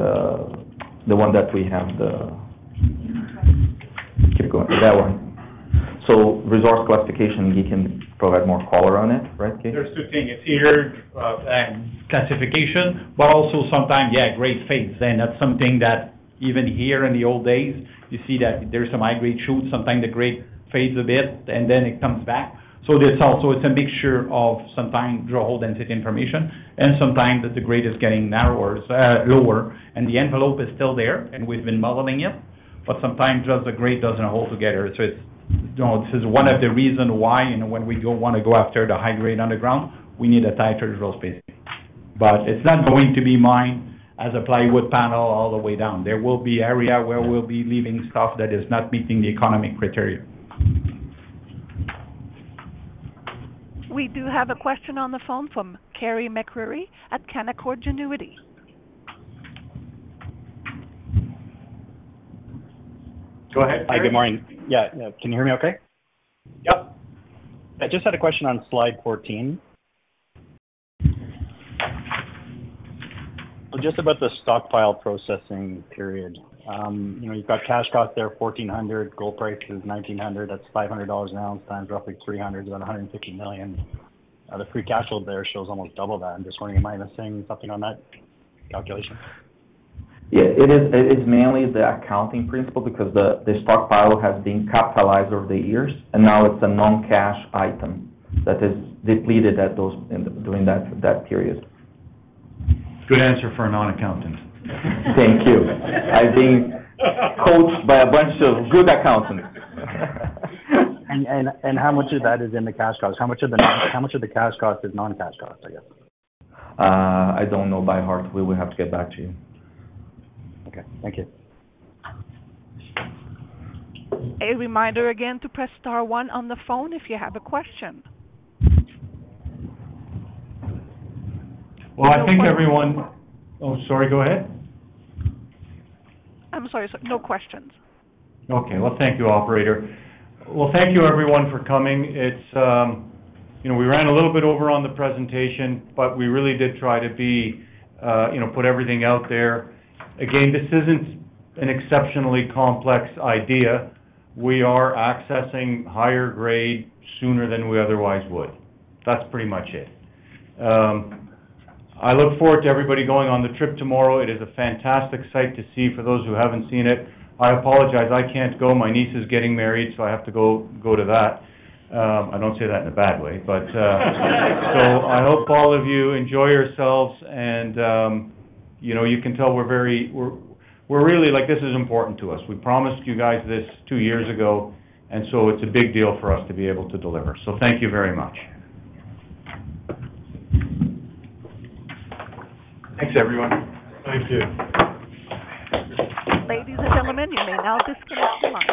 the one that we have, the- Keep going. Keep going. That one. So resource classification, we can provide more color on it, right? There's two things. It's here and classification, but also sometimes, yeah, grade fades. And that's something that even here in the old days, you see that there's some high-grade shoots. Sometimes the grade fades a bit, and then it comes back. So it's a mixture of sometimes drill hole density information, and sometimes the grade is getting lower. And the envelope is still there, and we've been modeling it. But sometimes just the grade doesn't hold together. So this is one of the reasons why when we want to go after the high-grade underground, we need a tighter drill spacing. But it's not going to be mine as a plywood panel all the way down. There will be areas where we'll be leaving stuff that is not meeting the economic criteria. We do have a question on the phone from Carey MacRury at Canaccord Genuity. Go ahead. Hi, good morning. Yeah. Can you hear me okay? Yep. I just had a question on slide 14. Just about the stockpile processing period. You've got cash cost there, $1,400. Gold price is $1,900. That's $500 an ounce times roughly 300, about $150 million. The free cash flow there shows almost double that. I'm just wondering, am I missing something on that calculation? Yeah. It is mainly the accounting principle because the stockpile has been capitalized over the years, and now it's a non-cash item that is depleted during that period. Good answer for a non-accountant. Thank you. I've been coached by a bunch of good accountants. How much of that is in the cash cost? How much of the cash cost is non-cash cost, I guess? I don't know by heart. We will have to get back to you. Okay. Thank you. A reminder again to press star one on the phone if you have a question. Well, I think everyone, oh, sorry, go ahead. I'm sorry. No questions. Okay. Well, thank you, operator. Well, thank you, everyone, for coming. We ran a little bit over on the presentation, but we really did try to put everything out there. Again, this isn't an exceptionally complex idea. We are accessing higher grade sooner than we otherwise would. That's pretty much it. I look forward to everybody going on the trip tomorrow. It is a fantastic sight to see for those who haven't seen it. I apologize. I can't go. My niece is getting married, so I have to go to that. I don't say that in a bad way, but. So I hope all of you enjoy yourselves. And you can tell we're really, this is important to us. We promised you guys this two years ago, and so it's a big deal for us to be able to deliver. So thank you very much. Thanks, everyone. Thank you. Ladies and gentlemen, you may now disconnect from the.